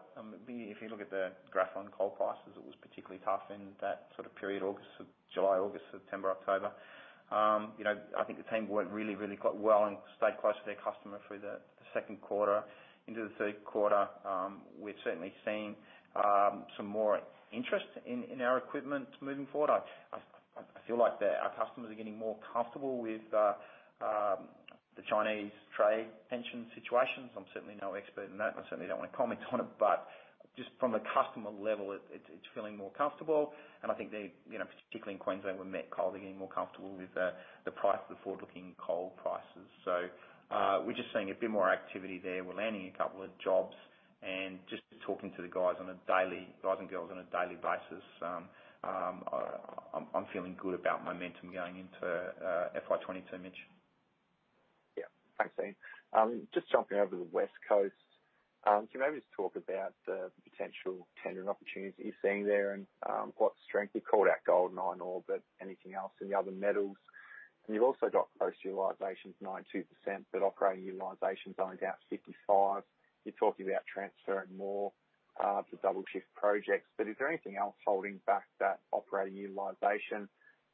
If you look at the graph on coal prices, it was particularly tough in that period, July, August, September, October. I think the team worked really, really well and stayed close to their customer through the 2nd quarter into the 3rd quarter. We've certainly seen some more interest in our equipment moving forward. I feel like our customers are getting more comfortable with the Chinese trade tension situations. I'm certainly no expert in that, and I certainly don't want to comment on it, but just from a customer level, it's feeling more comfortable. I think, particularly in Queensland with met coal, they're getting more comfortable with the price of the forward-looking coal prices. We're just seeing a bit more activity there. We're landing a couple of jobs and just talking to the guys and girls on a daily basis. I'm feeling good about momentum going into FY 2022, Mitch. Yeah. Thanks, team. Just jumping over to the West Coast. Can you maybe just talk about the potential tendering opportunities that you're seeing there and what strength? You called out gold and iron ore, but anything else in the other metals? You've also got post-utilization of 92%, but operating utilization is only down to 55%. You're talking about transferring more to double shift projects. Is there anything else holding back that operating utilization?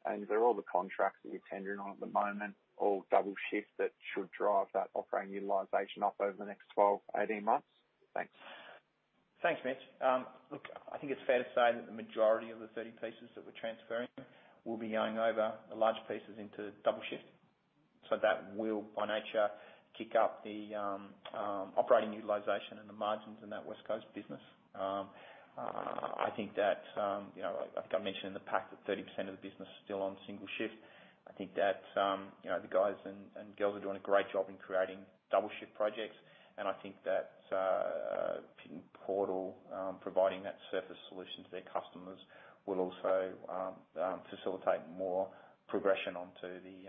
Are all the contracts that you're tendering on at the moment all double shift that should drive that operating utilization up over the next 12, 18 months? Thanks. Thanks, Mitch. Look, I think it's fair to say that the majority of the 30 pieces that we're transferring will be going over the large pieces into double shift. That will, by nature, kick up the operating utilization and the margins in that West Coast business. I think I mentioned in the pack that 30% of the business is still on single shift. I think that the guys and girls are doing a great job in creating double shift projects, and I think that Pit N Portal providing that surface solution to their customers will also facilitate more progression onto the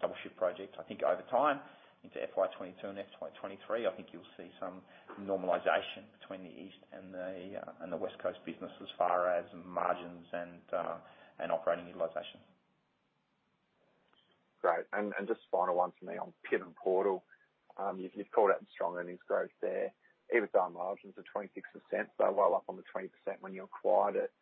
double shift projects. I think over time, into FY 2022 and FY 2023, I think you'll see some normalization between the East and the West Coast business as far as margins and operating utilization. Great. Just a final one for me on Pit N Portal. You've called out the strong earnings growth there. EBITDA margins are 26%, so well up on the 20% when you acquired it.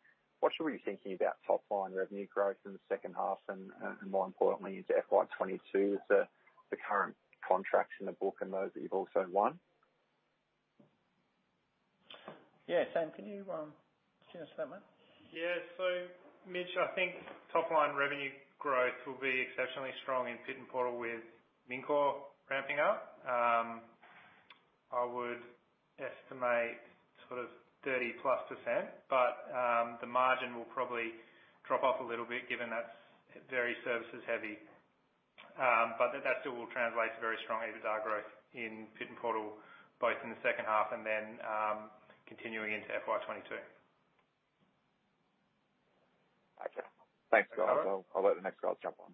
What are you thinking about top-line revenue growth in the second half and, more importantly, into FY 2022 with the current contracts in the book and those that you've also won? Yeah, Sam, can you speak on that one? Mitch, I think top-line revenue growth will be exceptionally strong in Pit N Portal with Mincor ramping up. I would estimate 30%+, the margin will probably drop off a little bit given that's very services heavy. That still will translate to very strong EBITDA growth in Pit N Portal, both in the second half and then continuing into FY 2022. Okay. Thanks, guys. I'll let the next guy jump on.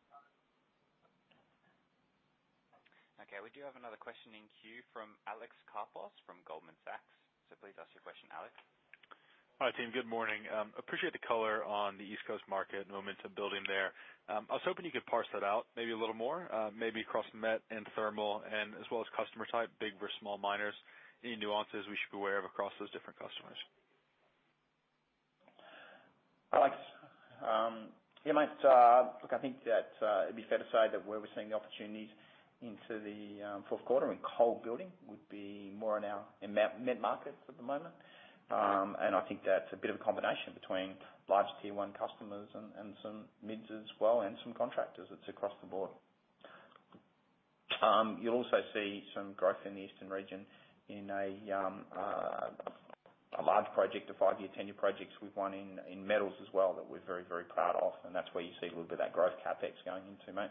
Okay. We do have another question in queue from Alex Karpos from Goldman Sachs. Please ask your question, Alex. Hi, team. Good morning. Appreciate the color on the East Coast market and the momentum building there. I was hoping you could parse that out maybe a little more, maybe across met and thermal and as well as customer type, big versus small miners. Any nuances we should be aware of across those different customers? Alex. Yeah, mate. Look, I think that it'd be fair to say that where we're seeing the opportunities into the fourth quarter in coal building would be more in our mid markets at the moment. I think that's a bit of a combination between large tier one customers and some mids as well, and some contractors. It's across the board. You'll also see some growth in the eastern region in a large project, a five-year tenure project we've won in metals as well that we're very proud of. That's where you see a little bit of that growth CapEx going into, mate.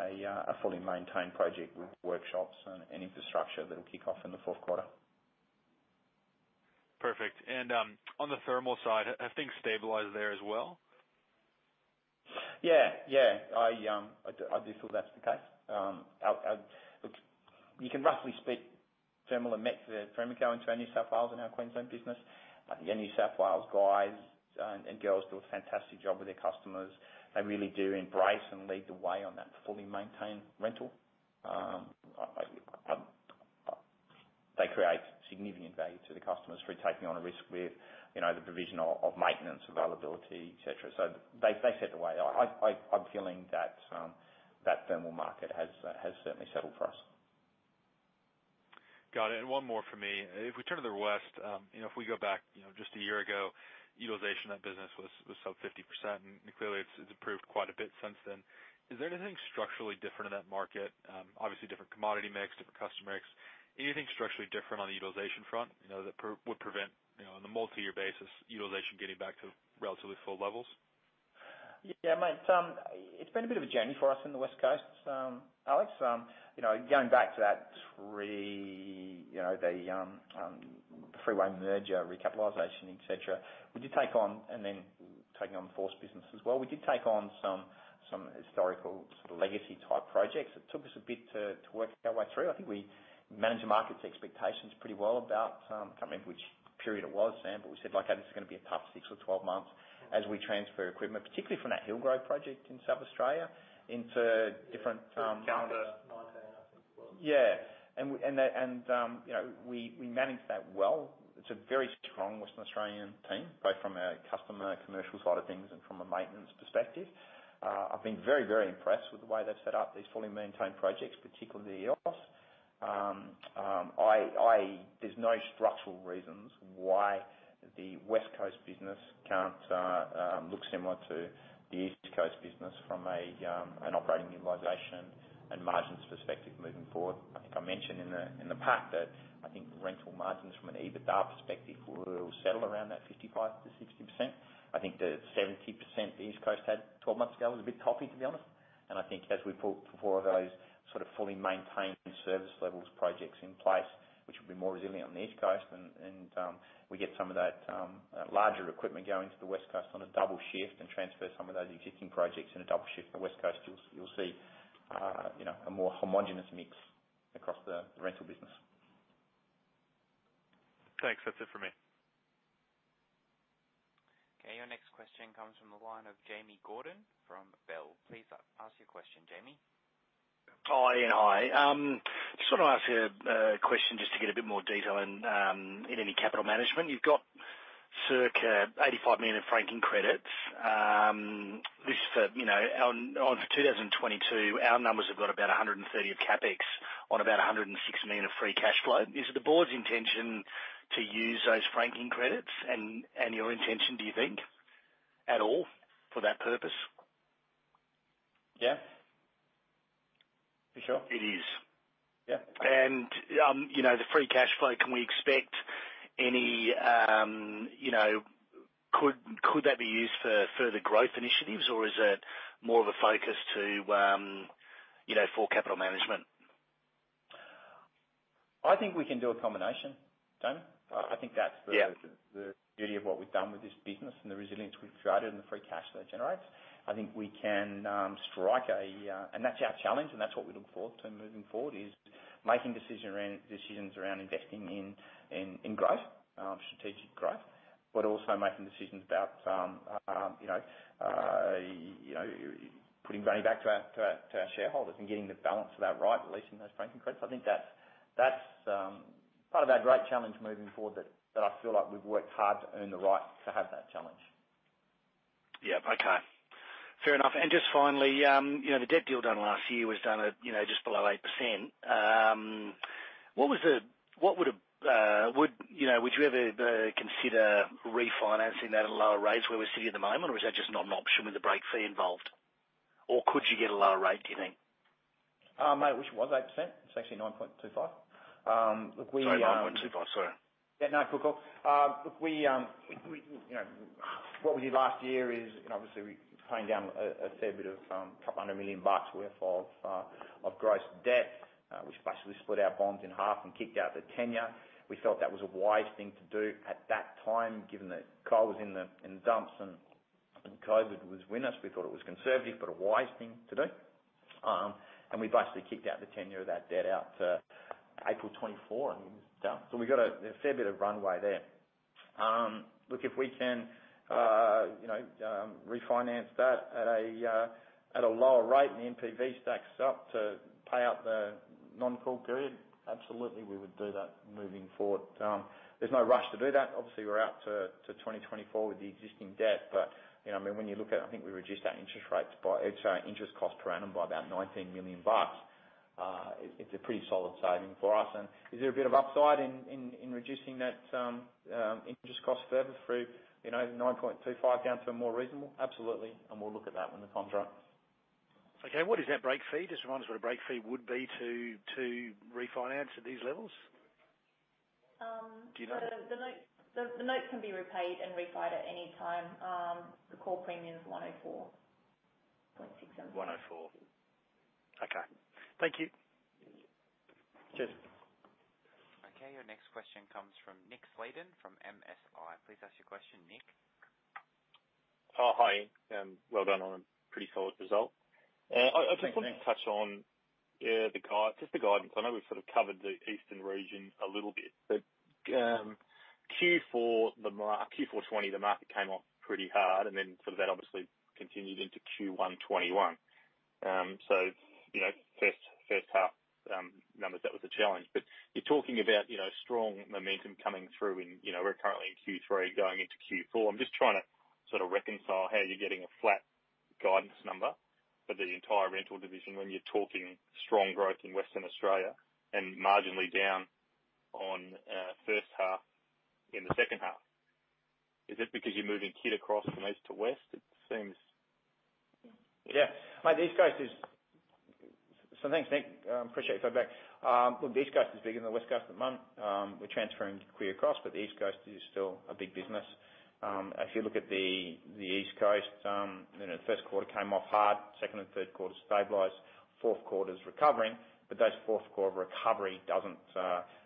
A fully maintained project with workshops and infrastructure that'll kick off in the fourth quarter. Perfect. On the thermal side, have things stabilized there as well? Yeah. I do feel that's the case. You can roughly split thermal and met for Emeco into our New South Wales and our Queensland business. I think the New South Wales guys and girls do a fantastic job with their customers. They really do embrace and lead the way on that fully maintained rental. They create significant value to the customers through taking on a risk with the provision of maintenance, availability, et cetera. They set the way. I'm feeling that thermal market has certainly settled for us. Got it. One more for me. If we turn to the West, if we go back just a year ago, utilization of that business was sub 50%, and clearly it has improved quite a bit since then. Is there anything structurally different in that market? Obviously different commodity mix, different customer mix. Anything structurally different on the utilization front that would prevent, on the multi-year basis, utilization getting back to relatively full levels? Yeah, mate. It's been a bit of a journey for us in the West Coast, Alex. Going back to the three-way merger recapitalization, et cetera, and then taking on Force as well, we did take on some historical legacy type projects. It took us a bit to work our way through. I think we managed the market's expectations pretty well about. Can't remember which period it was, Sam, but we said, "Okay, this is gonna be a tough six or 12 months as we transfer equipment, particularly from that Hillgrove project in South Australia into different. Yeah. Quarter 19, I think it was. Yeah. We managed that well. It's a very strong Western Australian team, both from a customer commercial side of things and from a maintenance perspective. I've been very impressed with the way they've set up these fully maintained projects, particularly EOS. There's no structural reasons why the West Coast business can't look similar to the East Coast business from an operating utilization and margins perspective moving forward. I think I mentioned in the past that I think rental margins from an EBITDA perspective will settle around that 55%-60%. I think the 70% the East Coast had 12 months ago was a bit toppy, to be honest. I think as we put four of those fully maintained service levels projects in place, which will be more resilient on the East Coast, and we get some of that larger equipment going to the West Coast on a double shift and transfer some of those existing projects in a double shift to the West Coast, you'll see a more homogenous mix across the rental business. Thanks. That's it from me. Okay, your next question comes from the line of Jamie Gordon from Bell. Please ask your question, Jamie. Ian, hi. Just want to ask you a question just to get a bit more detail in any capital management. You've got circa 85 million franking credits. On 2022, our numbers have got about 130 of CapEx on about 106 million of free cash flow. Is it the board's intention to use those franking credits, and your intention, do you think, at all for that purpose? Yeah. For sure. It is? Yeah. The free cash flow, could that be used for further growth initiatives, or is it more of a focus for capital management? I think we can do a combination, Jamie. Yeah beauty of what we've done with this business and the resilience we've created and the free cash flow it generates. That's our challenge, and that's what we look forward to moving forward, is making decisions around investing in strategic growth, but also making decisions about putting money back to our shareholders and getting the balance of that right, releasing those franking credits. I think that's part of our great challenge moving forward that I feel like we've worked hard to earn the right to have that challenge. Yeah. Okay. Fair enough. Just finally, the debt deal done last year was done at just below 8%. Would you ever consider refinancing that at a lower rate to where we sit at the moment, or is that just not an option with the break fee involved? Could you get a lower rate, do you think? Mate, which was 8%? It's actually 9.25%. Look. Sorry, 9.25%. Sorry. Yeah, no. Cool. What we did last year is, obviously, we paid down a fair bit of 200 million bucks worth of gross debt, which basically split our bonds in half and kicked out the tenure. We felt that was a wise thing to do at that time, given that coal was in the dumps and COVID was with us. We thought it was conservative but a wise thing to do. We basically kicked out the tenure of that debt out to April 2024, and it was done. We got a fair bit of runway there. Look, if we can refinance that at a lower rate and the NPV stacks up to pay out the non-call period, absolutely, we would do that moving forward. There's no rush to do that. Obviously, we're out to 2024 with the existing debt. When you look at it, I think we reduced our interest cost per annum by about 19 million bucks. It's a pretty solid saving for us. Is there a bit of upside in reducing that interest cost further through the 9.25% down to a more reasonable? Absolutely. We'll look at that when the time's right. What is that break fee? Just remind us what a break fee would be to refinance at these levels. Do you know? The note can be repaid and refied at any time. The call premium is 104.67. 104. Okay. Thank you. Cheers. Okay, your next question comes from Nick Sladen from MFI. Please ask your question, Nick. Hi, Ian. Well done on a pretty solid result. Thanks, Nick. I just want to touch on just the guidance. I know we've sort of covered the Eastern region a little bit, but Q4 2020, the market came off pretty hard, and then that obviously continued into Q1 2021. First half numbers, that was a challenge. You're talking about strong momentum coming through and we're currently in Q3 going into Q4. I'm just trying to reconcile how you're getting a flat guidance number for the entire rental division when you're talking strong growth in Western Australia and marginally down on first half in the second half. Is it because you're moving kit across from east to west? Thanks, Nick. Appreciate your feedback. Look, the East Coast is bigger than the West Coast at the moment. We're transferring query across, the East Coast is still a big business. If you look at the East Coast, first quarter came off hard, second and third quarter stabilized, fourth quarter's recovering, that fourth quarter recovery doesn't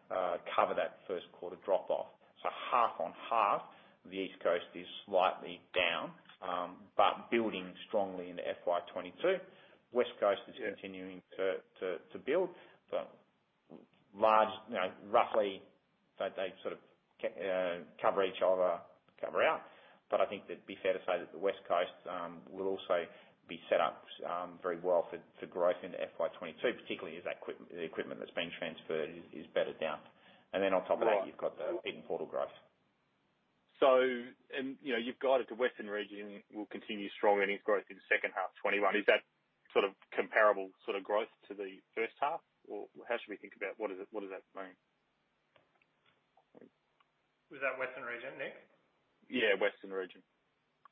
cover that first quarter drop-off. Half on half, the East Coast is slightly down, building strongly into FY 2022. West Coast is continuing to build. Roughly, they cover each other out. I think that it'd be fair to say that the West Coast will also be set up very well for growth into FY 2022, particularly as the equipment that's being transferred is bedded down. On top of that, you've got the Pit N Portal growth. You've guided the Western region will continue strong earnings growth in the second half 2021. Is that comparable growth to the first half, or how should we think about what does that mean? Was that Western region, Nick? Yeah, Western region.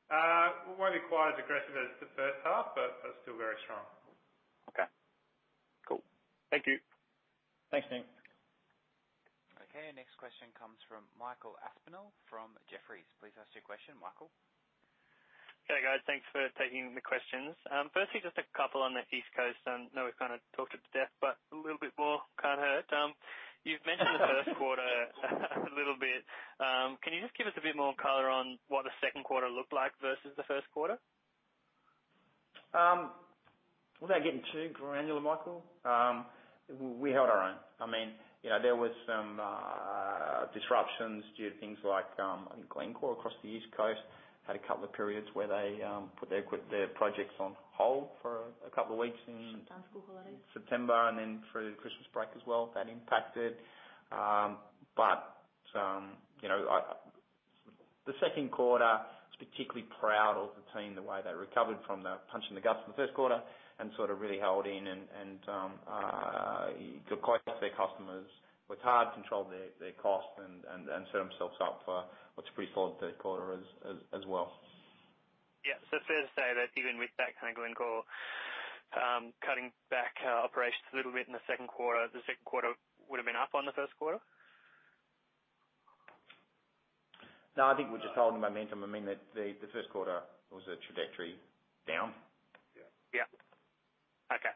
It won't be quite as aggressive as the first half, but still very strong. Okay, cool. Thank you. Thanks, Nick. Okay, next question comes from Michael Aspinall from Jefferies. Please ask your question, Michael. Okay, guys. Thanks for taking the questions. Just a couple on the East Coast. I know we've kind of talked it to death, but a little bit more can't hurt. You've mentioned the first quarter a little bit. Can you just give us a bit more color on what the second quarter looked like versus the first quarter? Without getting too granular, Michael, we held our own. There was some disruptions due to things like, I think Glencore across the East Coast had a couple of periods where they put their projects on hold for a couple of weeks. September school holidays. September and then through Christmas break as well. That impacted. The second quarter, I was particularly proud of the team, the way they recovered from the punch in the guts in the first quarter and really held in and could quote their customers, worked hard to control their cost and set themselves up for what's pretty solid third quarter as well. Yeah. Fair to say that even with that kind of Glencore cutting back operations a little bit in the second quarter, the second quarter would've been up on the first quarter? I think we just held the momentum. The first quarter was a trajectory down. Yeah. Yeah. Okay,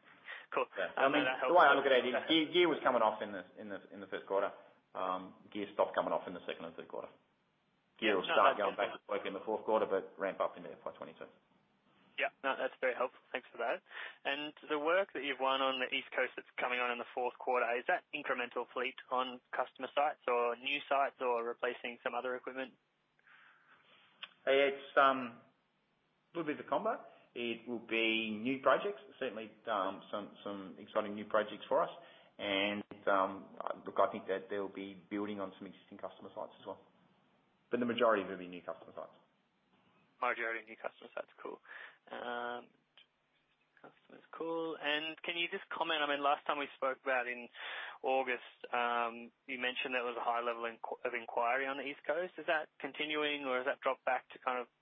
cool. The way I look at it, gear was coming off in the first quarter. Gear stopped coming off in the second and third quarter. Gear will start going back to work in the fourth quarter, but ramp up into FY 2022. Yeah. No, that's very helpful. Thanks for that. The work that you've won on the East Coast that's coming on in the fourth quarter, is that incremental fleet on customer sites or new sites or replacing some other equipment? It's a little bit of a combo. It will be new projects, certainly some exciting new projects for us, and look, I think that they'll be building on some existing customer sites as well. The majority of them will be new customer sites. Majority new customer sites. Cool. Customers cool. Can you just comment, last time we spoke about in August, you mentioned there was a high level of inquiry on the East Coast. Is that continuing or has that dropped back to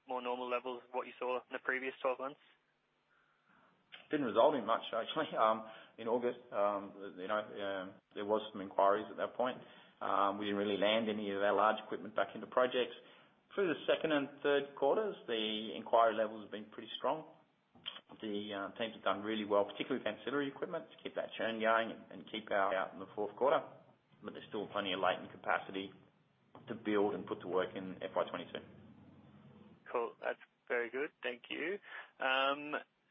more normal levels of what you saw in the previous 12 months? Didn't resolve much actually in August. There was some inquiries at that point. We didn't really land any of our large equipment back into projects. Through the second and third quarters, the inquiry levels have been pretty strong. The teams have done really well, particularly with ancillary equipment, to keep that churn going and keep our eye out in the fourth quarter. There's still plenty of latent capacity to build and put to work in FY 2022. Cool. That's very good. Thank you.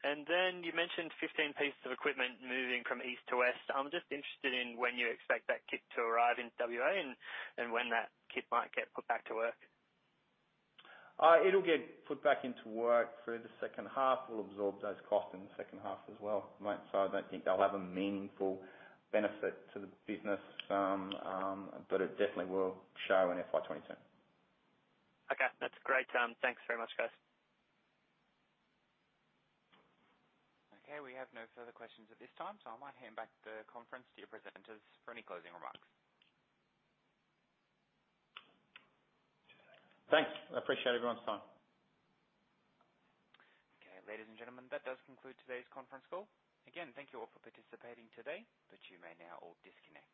You mentioned 15 pieces of equipment moving from east to west. I'm just interested in when you expect that kit to arrive in W.A. and when that kit might get put back to work. It'll get put back into work through the second half. We'll absorb those costs in the second half as well. I don't think they'll have a meaningful benefit to the business, but it definitely will show in FY 2022. Okay. That's great. Thanks very much, guys. Okay, we have no further questions at this time, so I might hand back the conference to your presenters for any closing remarks. Thanks. I appreciate everyone's time. Okay. Ladies and gentlemen, that does conclude today's conference call. Again, thank you all for participating today, but you may now all disconnect.